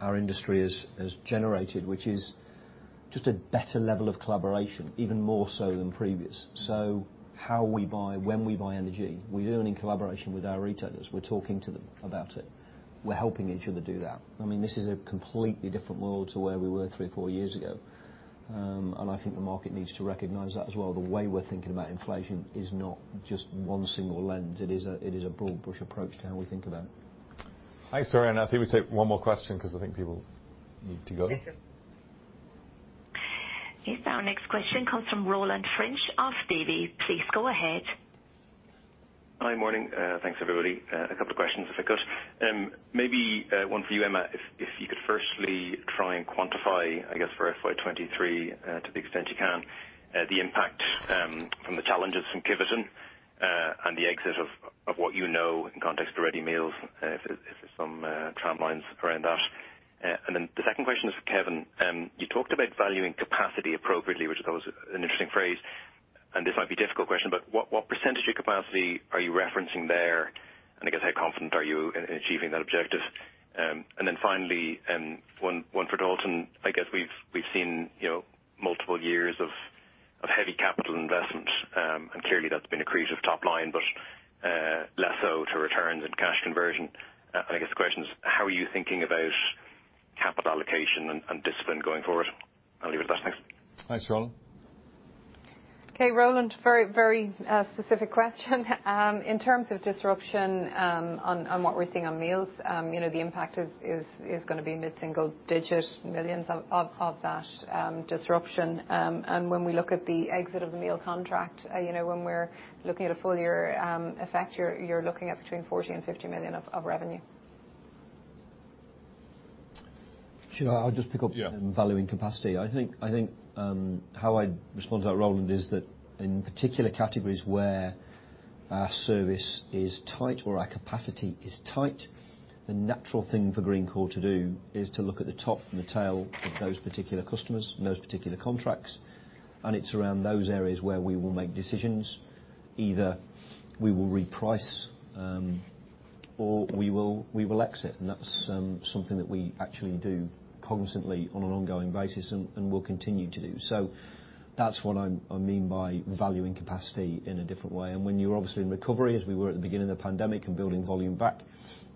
our industry has generated, which is just a better level of collaboration, even more so than previous. How we buy, when we buy energy, we do it in collaboration with our retailers. We're talking to them about it. We're helping each other do that. I mean, this is a completely different world to where we were three, four years ago. I think the market needs to recognize that as well. The way we're thinking about inflation is not just one single lens. It is a broad brush approach to how we think about it. Thanks, Doriana. I think we take one more question 'cause I think people need to go. Yes, sir. Yes. Our next question comes from Rowland French of Davy. Please go ahead. Hi. Morning. Thanks everybody. A couple of questions if I could. Maybe one for you, Emma. If you could firstly try and quantify, I guess, for FY23, to the extent you can, the impact from the challenges from Kiveton, and the exit of what you know in context to ready meals, if there's some timelines around that. The second question is for Kevin. You talked about valuing capacity appropriately, which I thought was an interesting phrase. This might be a difficult question, but what percentage of capacity are you referencing there? And I guess how confident are you in achieving that objective? Finally, one for Dalton. I guess we've seen, you know, multiple years of heavy capital investment. Clearly that's been accretive top line, but less so to returns and cash conversion. I guess the question is: How are you thinking about capital allocation and discipline going forward? I'll leave it at that. Thanks. Thanks, Rowland. Okay. Rowland, very specific question. In terms of disruption, on what we're seeing on meals, you know, the impact is gonna be mid-single digit millions of that disruption. When we look at the exit of the meal contract, you know, when we're looking at a full year effect, you're looking at between 40 million and 50 million of revenue. Sure. I'll just pick up. Yeah On valuing capacity. I think, how I'd respond to that, Rowland, is that in particular categories where our service is tight or our capacity is tight, the natural thing for Greencore to do is to look at the top and the tail of those particular customers and those particular contracts, and it's around those areas where we will make decisions. Either we will reprice, or we will exit. That's something that we actually do constantly on an ongoing basis and will continue to do. So that's what I mean by valuing capacity in a different way. When you're obviously in recovery, as we were at the beginning of the pandemic and building volume back,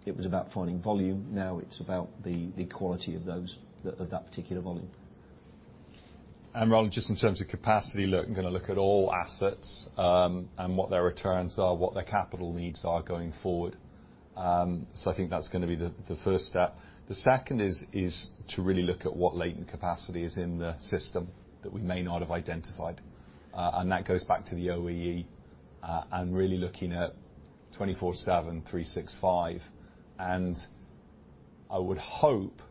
it was about finding volume. Now it's about the quality of those, of that particular volume. Rowland, just in terms of capacity look, gonna look at all assets, and what their returns are, what their capital needs are going forward. So I think that's gonna be the first step. The second is to really look at what latent capacity is in the system that we may not have identified, and that goes back to the OEE, and really looking at 24/7, 365. I would hope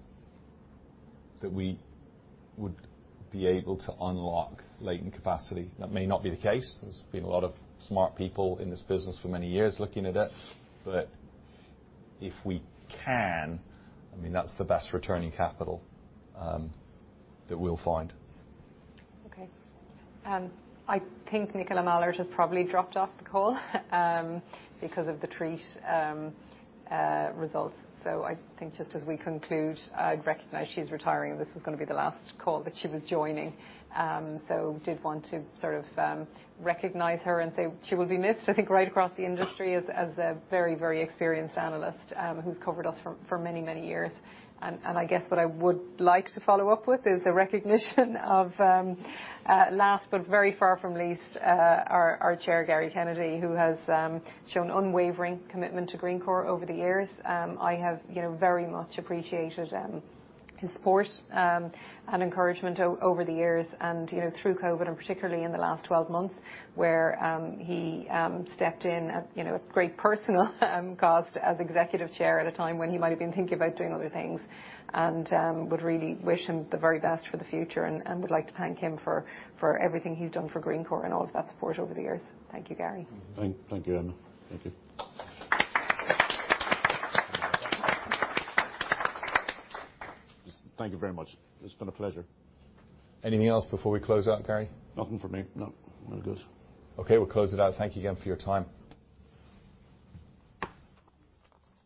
that we would be able to unlock latent capacity. That may not be the case. There's been a lot of smart people in this business for many years looking at it. If we can, I mean, that's the best returning capital, that we'll find. Okay. I think Nicola Mallard has probably dropped off the call because of the Investec results. I think just as we conclude, I'd recognize she's retiring. This is gonna be the last call that she was joining. Did want to sort of recognize her and say she will be missed, I think, right across the industry as a very, very experienced analyst who's covered us for many, many years. I guess what I would like to follow up with is the recognition of last but very far from least, our chair, Gary Kennedy, who has shown unwavering commitment to Greencore over the years. I have, you know, very much appreciated his support and encouragement over the years and, you know, through COVID and particularly in the last 12 months, where he stepped in at, you know, at great personal cost as executive chair at a time when he might've been thinking about doing other things. Would really wish him the very best for the future and would like to thank him for everything he's done for Greencore and all of that support over the years. Thank you, Gary. Thank you, Emma. Thank you. Just thank you very much. It's been a pleasure. Anything else before we close out, Gary? Nothing from me. No. We're good. Okay, we'll close it out. Thank you again for your time.